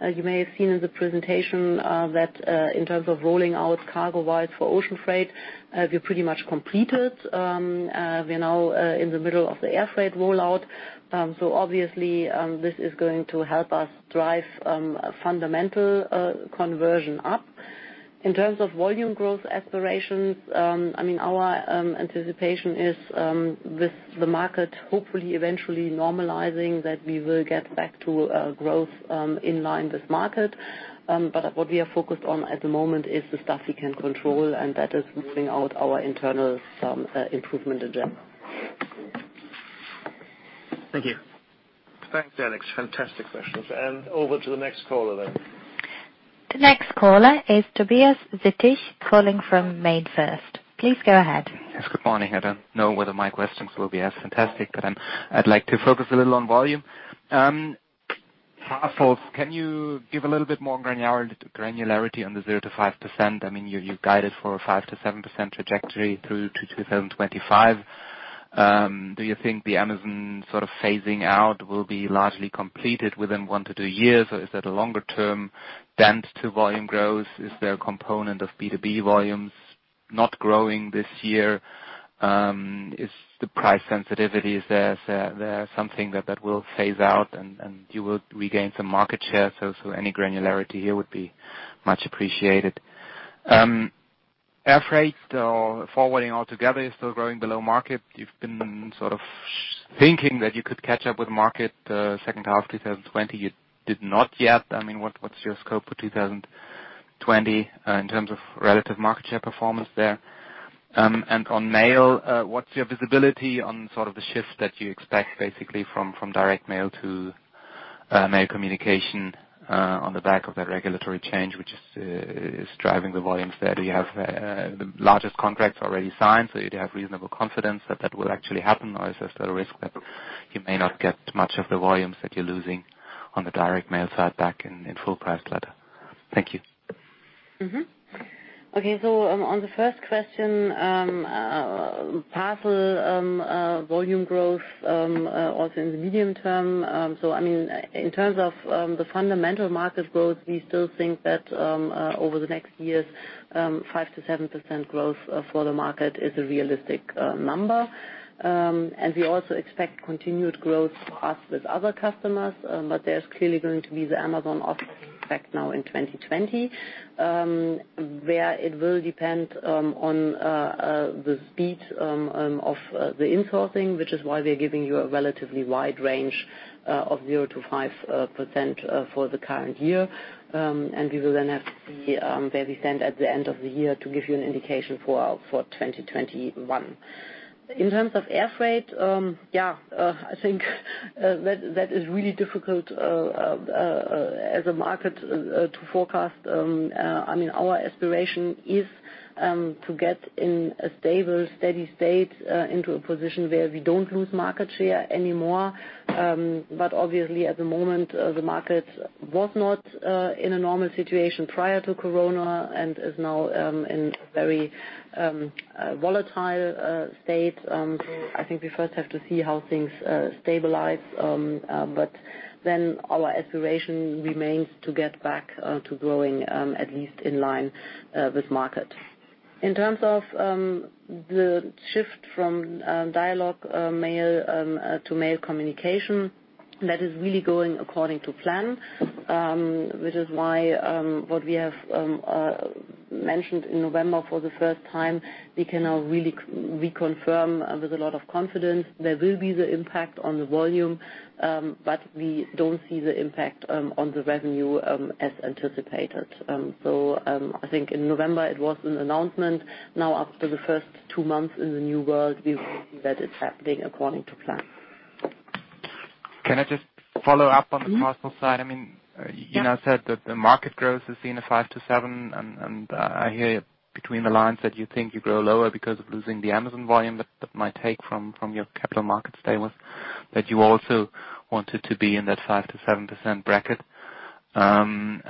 As you may have seen in the presentation, that in terms of rolling out CargoWise for ocean freight, we're pretty much completed. We're now in the middle of the airfreight rollout. Obviously, this is going to help us drive fundamental conversion up. In terms of volume growth aspirations, our anticipation is with the market hopefully eventually normalizing, that we will get back to growth in line with market. What we are focused on at the moment is the stuff we can control, and that is rolling out our internal improvement agenda. Thank you. Thanks, Alex. Fantastic questions. Over to the next caller then. The next caller is Tobias Sittig, calling from MainFirst. Please go ahead. Good morning. I don't know whether my questions will be as fantastic, but I'd like to focus a little on volume. Parcels, can you give a little bit more granularity on the 0%-5%? You guided for a 5%-7% trajectory through to 2025. Do you think the Amazon phasing out will be largely completed within 1-2 years, or is that a longer-term dent to volume growth? Is there a component of B2B volumes not growing this year? Is the price sensitivity, is there something that will phase out and you will regain some market share? So, any granularity here would be much appreciated. Air freight or forwarding altogether is still growing below market. You've been thinking that you could catch up with market the second half 2020. You did not yet. What's your scope for 2020 in terms of relative market share performance there? On mail, what's your visibility on the shift that you expect, basically, from direct mail to mail communication, on the back of that regulatory change, which is driving the volumes there? Do you have the largest contracts already signed, so you'd have reasonable confidence that that will actually happen? Is there still a risk that you may not get much of the volumes that you're losing on the direct mail side back in full price letter? Thank you. On the first question, parcel volume growth, also in the medium term. In terms of the fundamental market growth, we still think that, over the next years, 5%-7% growth for the market is a realistic number. We also expect continued growth for us with other customers, but there's clearly going to be the Amazon effect now in 2020. Where it will depend on the speed of the insourcing, which is why we're giving you a relatively wide range of 0%-5% for the current year. We will have to see where we stand at the end of the year to give you an indication for 2021. In terms of air freight, I think that is really difficult as a market to forecast. Our aspiration is to get in a stable, steady state, into a position where we don't lose market share anymore. Obviously, at the moment, the market was not in a normal situation prior to COVID-19, and is now in very volatile state. I think we first have to see how things stabilize. Our aspiration remains to get back to growing, at least in line with market. In terms of the shift from Dialogue Mail to mail communication, that is really going according to plan. Which is why, what we have mentioned in November for the first time, we can now really reconfirm with a lot of confidence there will be the impact on the volume, but we don't see the impact on the revenue as anticipated. I think in November it was an announcement. Now after the first two months in the new world, we will see that it's happening according to plan. Can I just follow up on the Parcel side? Mm-hmm. Yeah. You now said that the market growth is seen at 5%-7%, I hear you between the lines that you think you grow lower because of losing the Amazon volume. That's my take from your capital market statements. That you also wanted to be in that 5%-7% bracket, and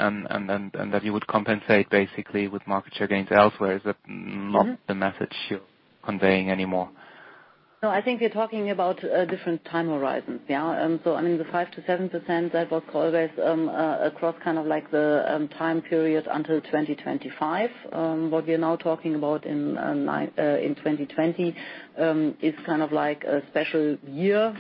that you would compensate basically with market share gains elsewhere. Is that not the message you're conveying anymore? I think we are talking about different time horizons. Yeah. The 5%-7% that was always across the time period until 2025. What we're now talking about in 2020 is kind of like a special year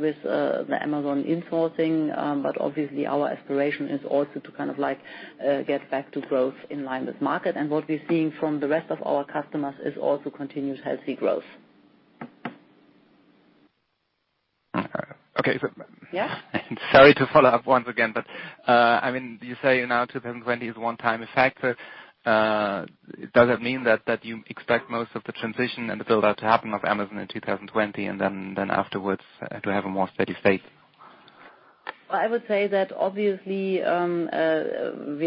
with the Amazon insourcing. Obviously, our aspiration is also to get back to growth in line with market. What we're seeing from the rest of our customers is also continuous healthy growth. Okay. Yeah? Sorry to follow up once again, you say now 2020 is a one-time effect. Does that mean that you expect most of the transition and the build-out to happen of Amazon in 2020, and then afterwards to have a more steady state? I would say that obviously, we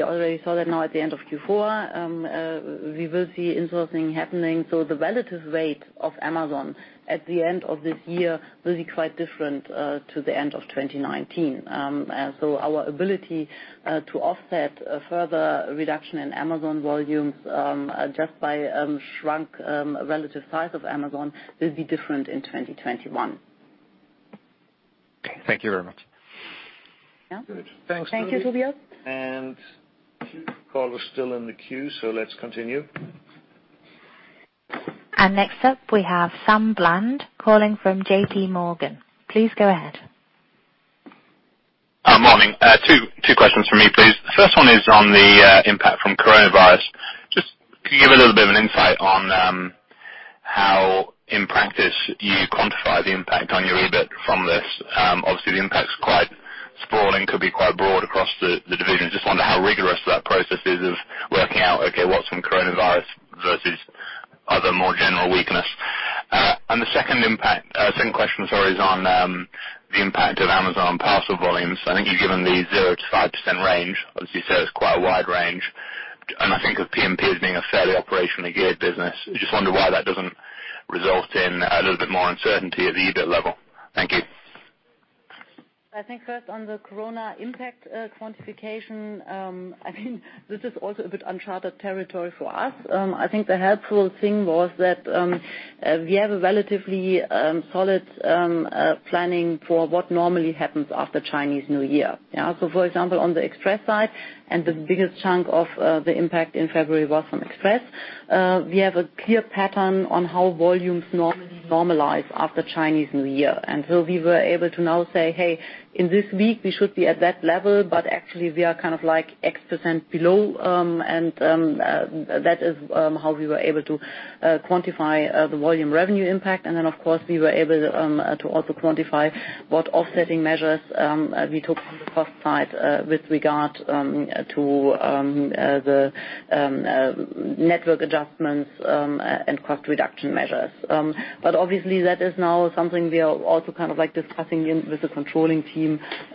already saw that now at the end of Q4. We will see insourcing happening, so the relative weight of Amazon at the end of this year will be quite different to the end of 2019. Our ability to offset a further reduction in Amazon volumes just by shrunk relative size of Amazon will be different in 2021. Thank you very much. Yeah. Good. Thanks, Tobias. Thank you, Tobias. Few callers still in the queue, let's continue. Next up, we have Sam Bland calling from JPMorgan. Please go ahead. Morning. Two questions from me, please. The first one is on the impact from coronavirus. Just, can you give a little bit of an insight on how, in practice, you quantify the impact on your EBIT from this? Obviously, the impact's quite sprawling, could be quite broad across the divisions. Just wonder how rigorous that process is of working out, okay, what's from coronavirus versus other more general weakness. The second question is on the impact of Amazon parcel volumes. I think you've given the 0%-5% range. Obviously, sir, it's quite a wide range. I think of P&P as being a fairly operationally geared business. Just wonder why that doesn't result in a little bit more uncertainty at the EBIT level. Thank you. I think first on the COVID-19 impact quantification. This is also a bit uncharted territory for us. I think the helpful thing was that, we have a relatively solid planning for what normally happens after Chinese New Year. For example, on the Express side, the biggest chunk of the impact in February was from Express. We have a clear pattern on how volumes normally normalize after Chinese New Year. We were able to now say, hey, in this week we should be at that level, but actually we are X% below. That is how we were able to quantify the volume revenue impact. Of course we were able to also quantify what offsetting measures we took on the cost side with regard to the network adjustments, and cost reduction measures. Obviously that is now something we are also discussing with the controlling team,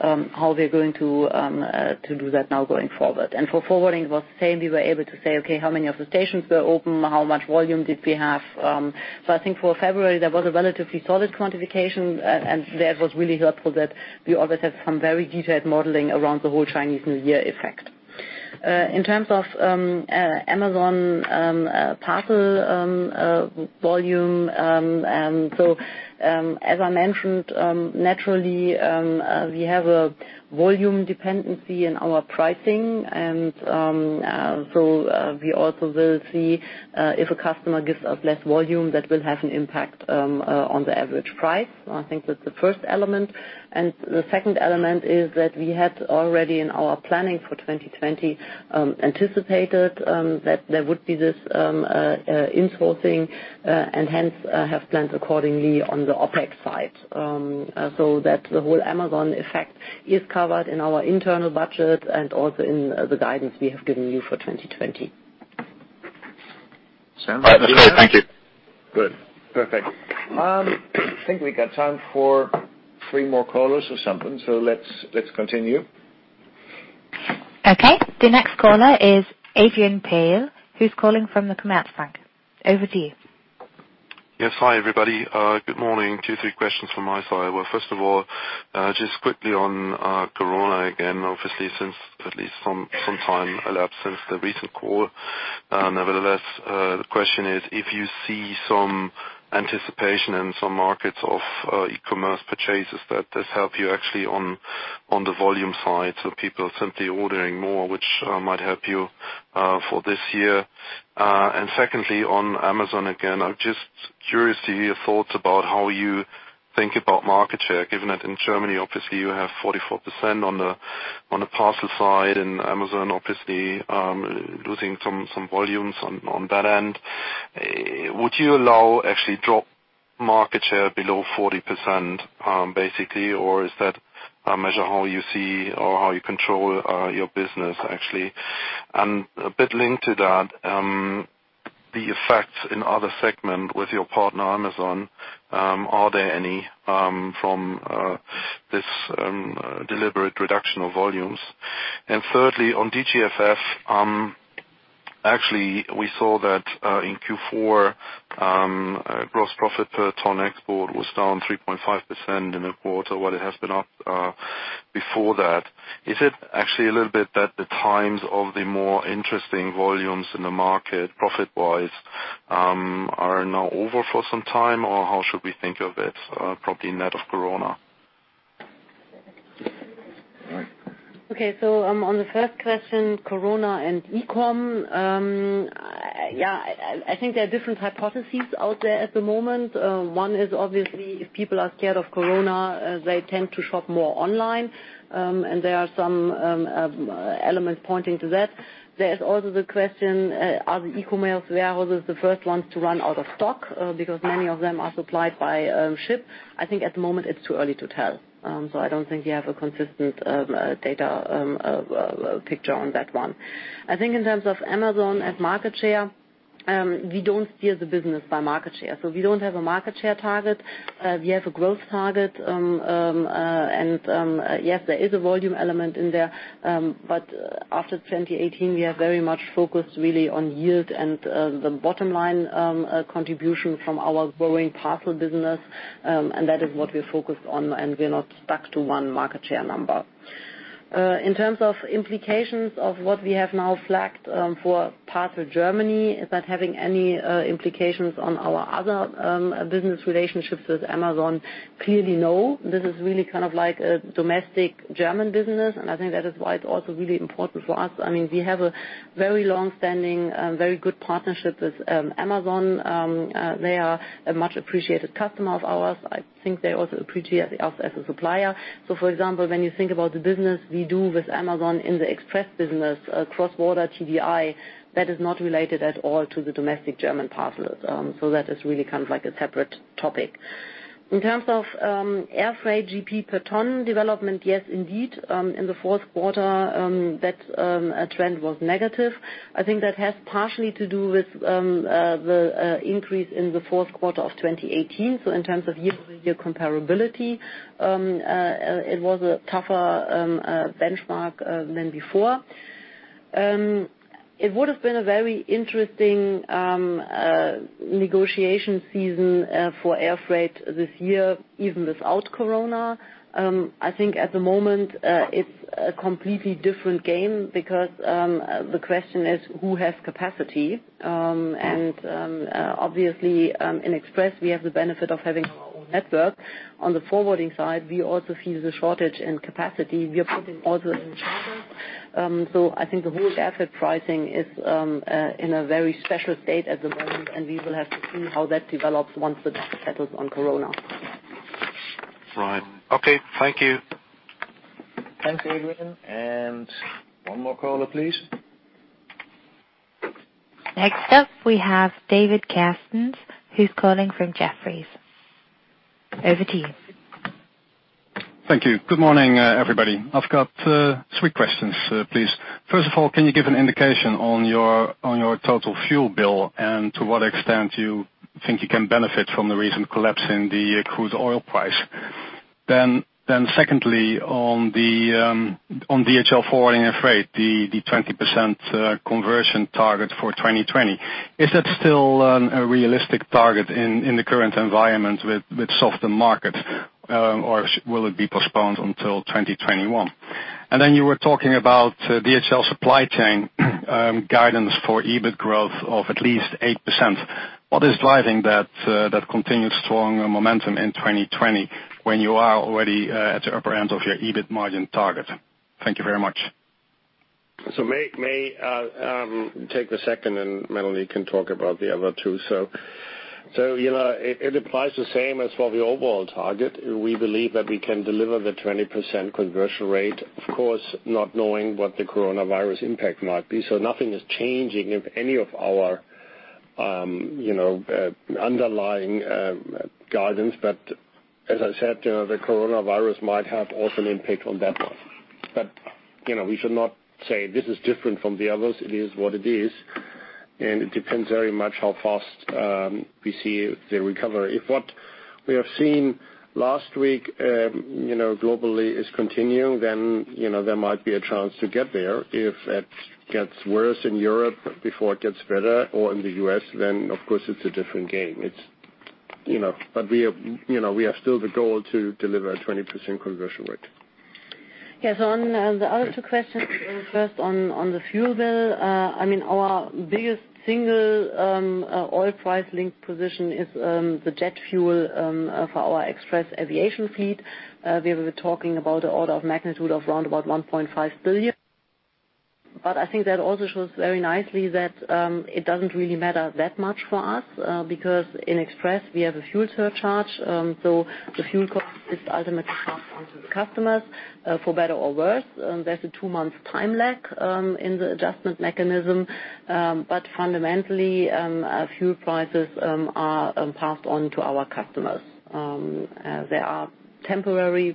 how we're going to do that now going forward. For forwarding it was same. We were able to say, okay, how many of the stations were open? How much volume did we have? I think for February there was a relatively solid quantification, and that was really helpful that we always had some very detailed modeling around the whole Chinese New Year effect. In terms of Amazon parcel volume. As I mentioned, naturally, we have a volume dependency in our pricing and so we also will see if a customer gives us less volume, that will have an impact on the average price. I think that's the first element. The second element is that we had already in our planning for 2020, anticipated, that there would be this insourcing, and hence, have planned accordingly on the OpEx side, so that the whole Amazon effect is covered in our internal budget and also in the guidance we have given you for 2020. All right. Thank you. Good. Perfect. I think we got time for three more callers or something. Let's continue. Okay, the next caller is Adrian Pehl, who's calling from the Commerzbank. Over to you. Yes. Hi, everybody. Good morning. Two, three questions from my side. Well, first of all, just quickly on COVID-19 again, obviously, since at least some time elapsed since the recent call. The question is if you see some anticipation in some markets of e-commerce purchases that has helped you actually on the volume side, so people are simply ordering more, which might help you for this year. Secondly, on Amazon, again, I'm just curious to hear your thoughts about how you think about market share, given that in Germany, obviously, you have 44% on the parcel side and Amazon obviously, losing some volumes on that end. Would you allow actually drop market share below 40% basically, or is that a measure how you see or how you control your business actually? A bit linked to that, the effects in other segment with your partner, Amazon, are there any from this deliberate reduction of volumes? Thirdly, on DGFF, actually, we saw that in Q4, gross profit per ton export was down 3.5% in the quarter, what it has been up before that. Is it actually a little bit that the times of the more interesting volumes in the market, profit-wise, are now over for some time, or how should we think of it? Probably net of COVID-19. Okay. On the first question, COVID-19 and e-com. Yeah, I think there are different hypotheses out there at the moment. One is obviously if people are scared of COVID-19, they tend to shop more online. There are some elements pointing to that. There's also the question, are the e-commerce warehouses the first ones to run out of stock? Because many of them are supplied by ship. I think at the moment it's too early to tell. I don't think we have a consistent data picture on that one. I think in terms of Amazon as market share, we don't steer the business by market share. We don't have a market share target. We have a growth target. Yes, there is a volume element in there. After 2018, we are very much focused really on yield and the bottom-line contribution from our growing parcel business. That is what we're focused on, and we're not stuck to one market share number. In terms of implications of what we have now flagged for parcel Germany, is that having any implications on our other business relationships with Amazon? Clearly, no. This is really kind of like a domestic German business, and I think that is why it's also really important for us. We have a very long-standing, very good partnership with Amazon. They are a much appreciated customer of ours. I think they also appreciate us as a supplier. For example, when you think about the business we do with Amazon in the Express business, cross-border TDI, that is not related at all to the domestic German parcels. That is really kind of like a separate topic. In terms of air freight GP per ton development, yes, indeed. In the fourth quarter, that trend was negative. I think that has partially to do with the increase in the fourth quarter of 2018. In terms of year-to-year comparability, it was a tougher benchmark than before. It would have been a very interesting negotiation season for air freight this year, even without COVID-19. I think at the moment, it's a completely different game because the question is, who has capacity? Obviously, in Express, we have the benefit of having our own network. On the forwarding side, we also feel the shortage in capacity. We are putting orders in China. I think the whole asset pricing is in a very special state at the moment, and we will have to see how that develops once the dust settles on COVID-19. Right. Okay. Thank you. Thanks, Adrian. One more caller, please. Next up, we have David Kerstens, who's calling from Jefferies. Over to you. Thank you. Good morning, everybody. I've got three questions, please. First of all, can you give an indication on your total fuel bill and to what extent you think you can benefit from the recent collapse in the crude oil price? Secondly, on DHL Forwarding and Freight, the 20% conversion target for 2020. Is that still a realistic target in the current environment with softer markets? Or will it be postponed until 2021? You were talking about DHL Supply Chain guidance for EBIT growth of at least 8%. What is driving that continuous strong momentum in 2020 when you are already at the upper end of your EBIT margin target? Thank you very much. May take a second, and Melanie can talk about the other two. It applies the same as for the overall target. We believe that we can deliver the 20% conversion rate. Of course, not knowing what the coronavirus impact might be. Nothing is changing in any of our underlying guidance. As I said, the coronavirus might have also an impact on that one. We should not say this is different from the others. It is what it is, and it depends very much how fast we see the recovery. If what we have seen last week globally is continuing, then there might be a chance to get there. If it gets worse in Europe before it gets better or in the U.S., then of course it's a different game. We have still the goal to deliver a 20% conversion rate. Yeah. On the other two questions, first on the fuel bill. Our biggest single oil price link position is the jet fuel for our Express aviation fleet. We were talking about the order of magnitude of around about 1.5 billion. I think that also shows very nicely that it doesn't really matter that much for us, because in Express we have a fuel surcharge. The fuel cost is ultimately passed on to the customers, for better or worse. There's a two-month time lag in the adjustment mechanism. Fundamentally, fuel prices are passed on to our customers. There are temporary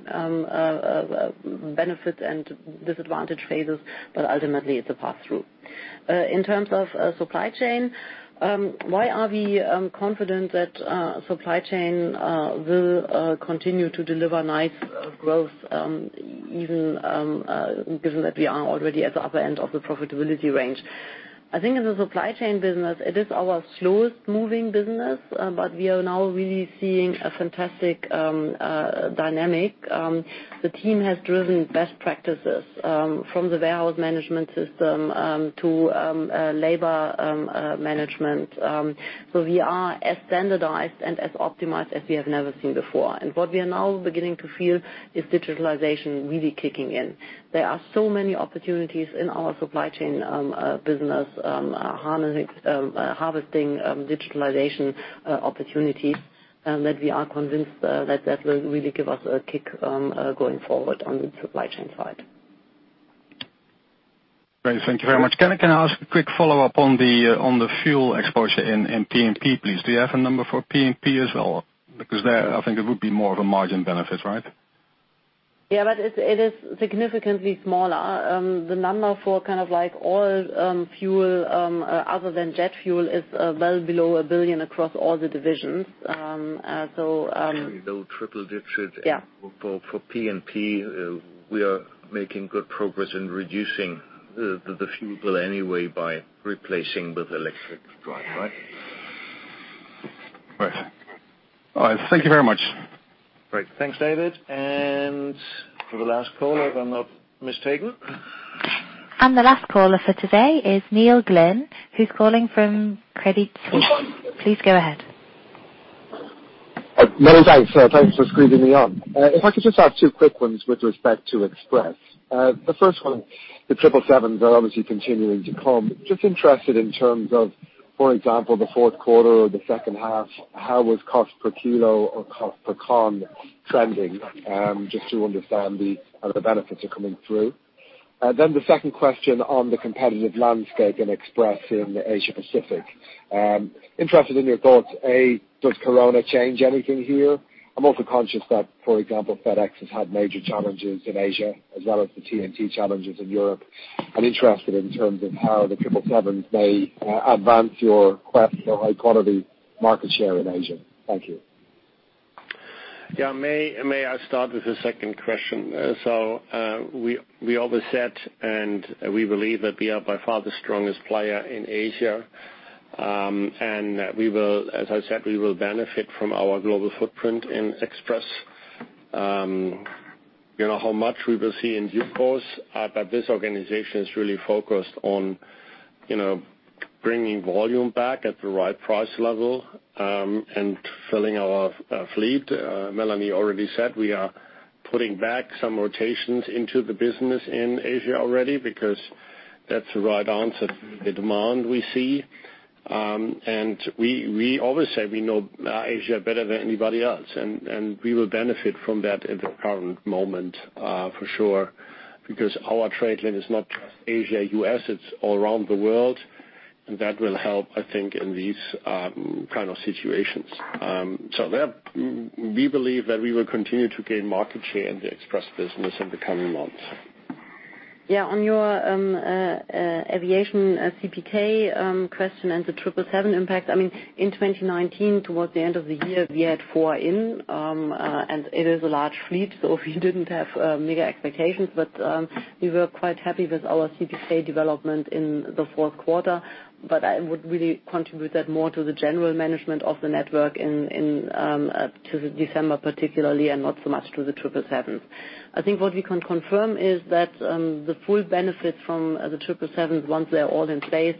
benefit and disadvantage phases, but ultimately, it's a pass-through. In terms of Supply Chain, why are we confident that Supply Chain will continue to deliver nice growth, even given that we are already at the upper end of the profitability range? I think in the Supply Chain business, it is our slowest-moving business, but we are now really seeing a fantastic dynamic. The team has driven best practices from the warehouse management system to labor management. We are as standardized and as optimized as we have never seen before. What we are now beginning to feel is digitalization really kicking in. There are so many opportunities in our Supply Chain business, harvesting digitalization opportunities, that we are convinced that that will really give us a kick going forward on the Supply Chain side. Great. Thank you very much. Can I ask a quick follow-up on the fuel exposure in P&P, please? Do you have a number for P&P as well? There, I think it would be more of a margin benefit, right? Yeah, it is significantly smaller. The number for all fuel other than jet fuel is well below 1 billion across all the divisions. Below triple digits. Yeah For P&P, we are making good progress in reducing the fuel bill anyway by replacing with electric drive, right? Right. All right. Thank you very much. Great. Thanks, David. For the last caller, if I'm not mistaken. The last caller for today is Neil Glynn, who's calling from Credit Suisse. Please go ahead. No doubt. Thanks for squeezing me on. If I could just ask two quick ones with respect to Express. The first one, the 777s are obviously continuing to come. Just interested in terms of, for example, the fourth quarter or the second half, how was cost per kilo or cost per ton trending? Just to understand the benefits are coming through. The second question on the competitive landscape and Express in Asia Pacific. Interested in your thoughts. A, does COVID-19 change anything here? I'm also conscious that, for example, FedEx has had major challenges in Asia as well as the TNT challenges in Europe. I'm interested in terms of how the 777s may advance your quest for high-quality market share in Asia. Thank you. May I start with the second question? We always said, and we believe that we are by far the strongest player in Asia. As I said, we will benefit from our global footprint in Express. How much we will see in due course, but this organization is really focused on bringing volume back at the right price level, and filling our fleet. Melanie already said we are putting back some rotations into the business in Asia already because that's the right answer for the demand we see. We always say we know Asia better than anybody else, and we will benefit from that in the current moment for sure, because our trade lane is not just Asia, U.S., it's all around the world. That will help, I think, in these kind of situations. There, we believe that we will continue to gain market share in the Express business in the coming months. On your aviation CPK question and the 777 impact, in 2019, towards the end of the year, we had four in, and it is a large fleet, so we didn't have mega expectations, but we were quite happy with our CPK development in the fourth quarter. I would really contribute that more to the general management of the network to December particularly, and not so much to the 777s. I think what we can confirm is that the full benefit from the 777s, once they're all in place,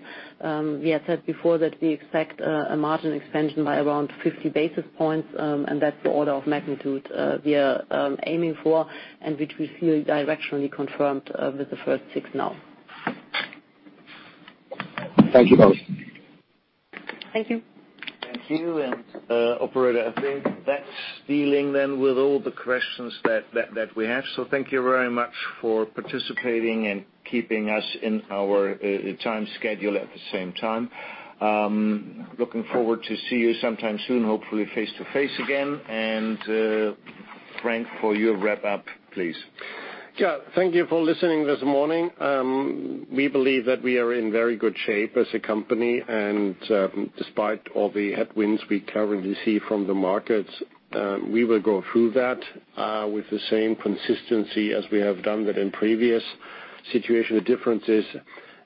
we had said before that we expect a margin expansion by around 50 basis points, and that's the order of magnitude we are aiming for and which we feel directionally confirmed with the first six now. Thank you both. Thank you. Thank you, operator, I think that's dealing then with all the questions that we have. Thank you very much for participating and keeping us in our time schedule at the same time. Looking forward to see you sometime soon, hopefully face-to-face again. Frank, for your wrap up, please. Thank you for listening this morning. We believe that we are in very good shape as a company, and despite all the headwinds we currently see from the markets, we will go through that with the same consistency as we have done within previous situation. The difference is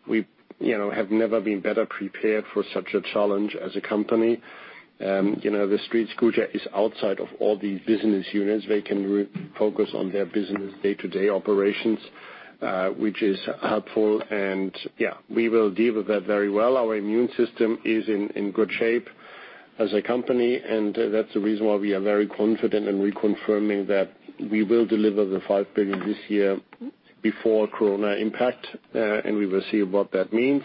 we have never been better prepared for such a challenge as a company. The StreetScooter is outside of all the business units. They can focus on their business day-to-day operations, which is helpful and yeah, we will deal with that very well. Our immune system is in good shape as a company. That's the reason why we are very confident in reconfirming that we will deliver the 5 billion this year before COVID-19 impact. We will see what that means.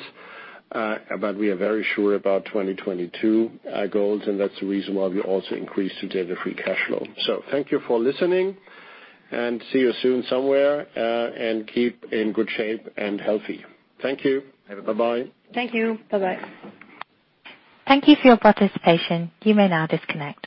We are very sure about 2022 goals, and that's the reason why we also increased today the free cash flow. Thank you for listening and see you soon somewhere. Keep in good shape and healthy. Thank you. Bye-bye. Thank you. Bye-bye. Thank you for your participation. You may now disconnect.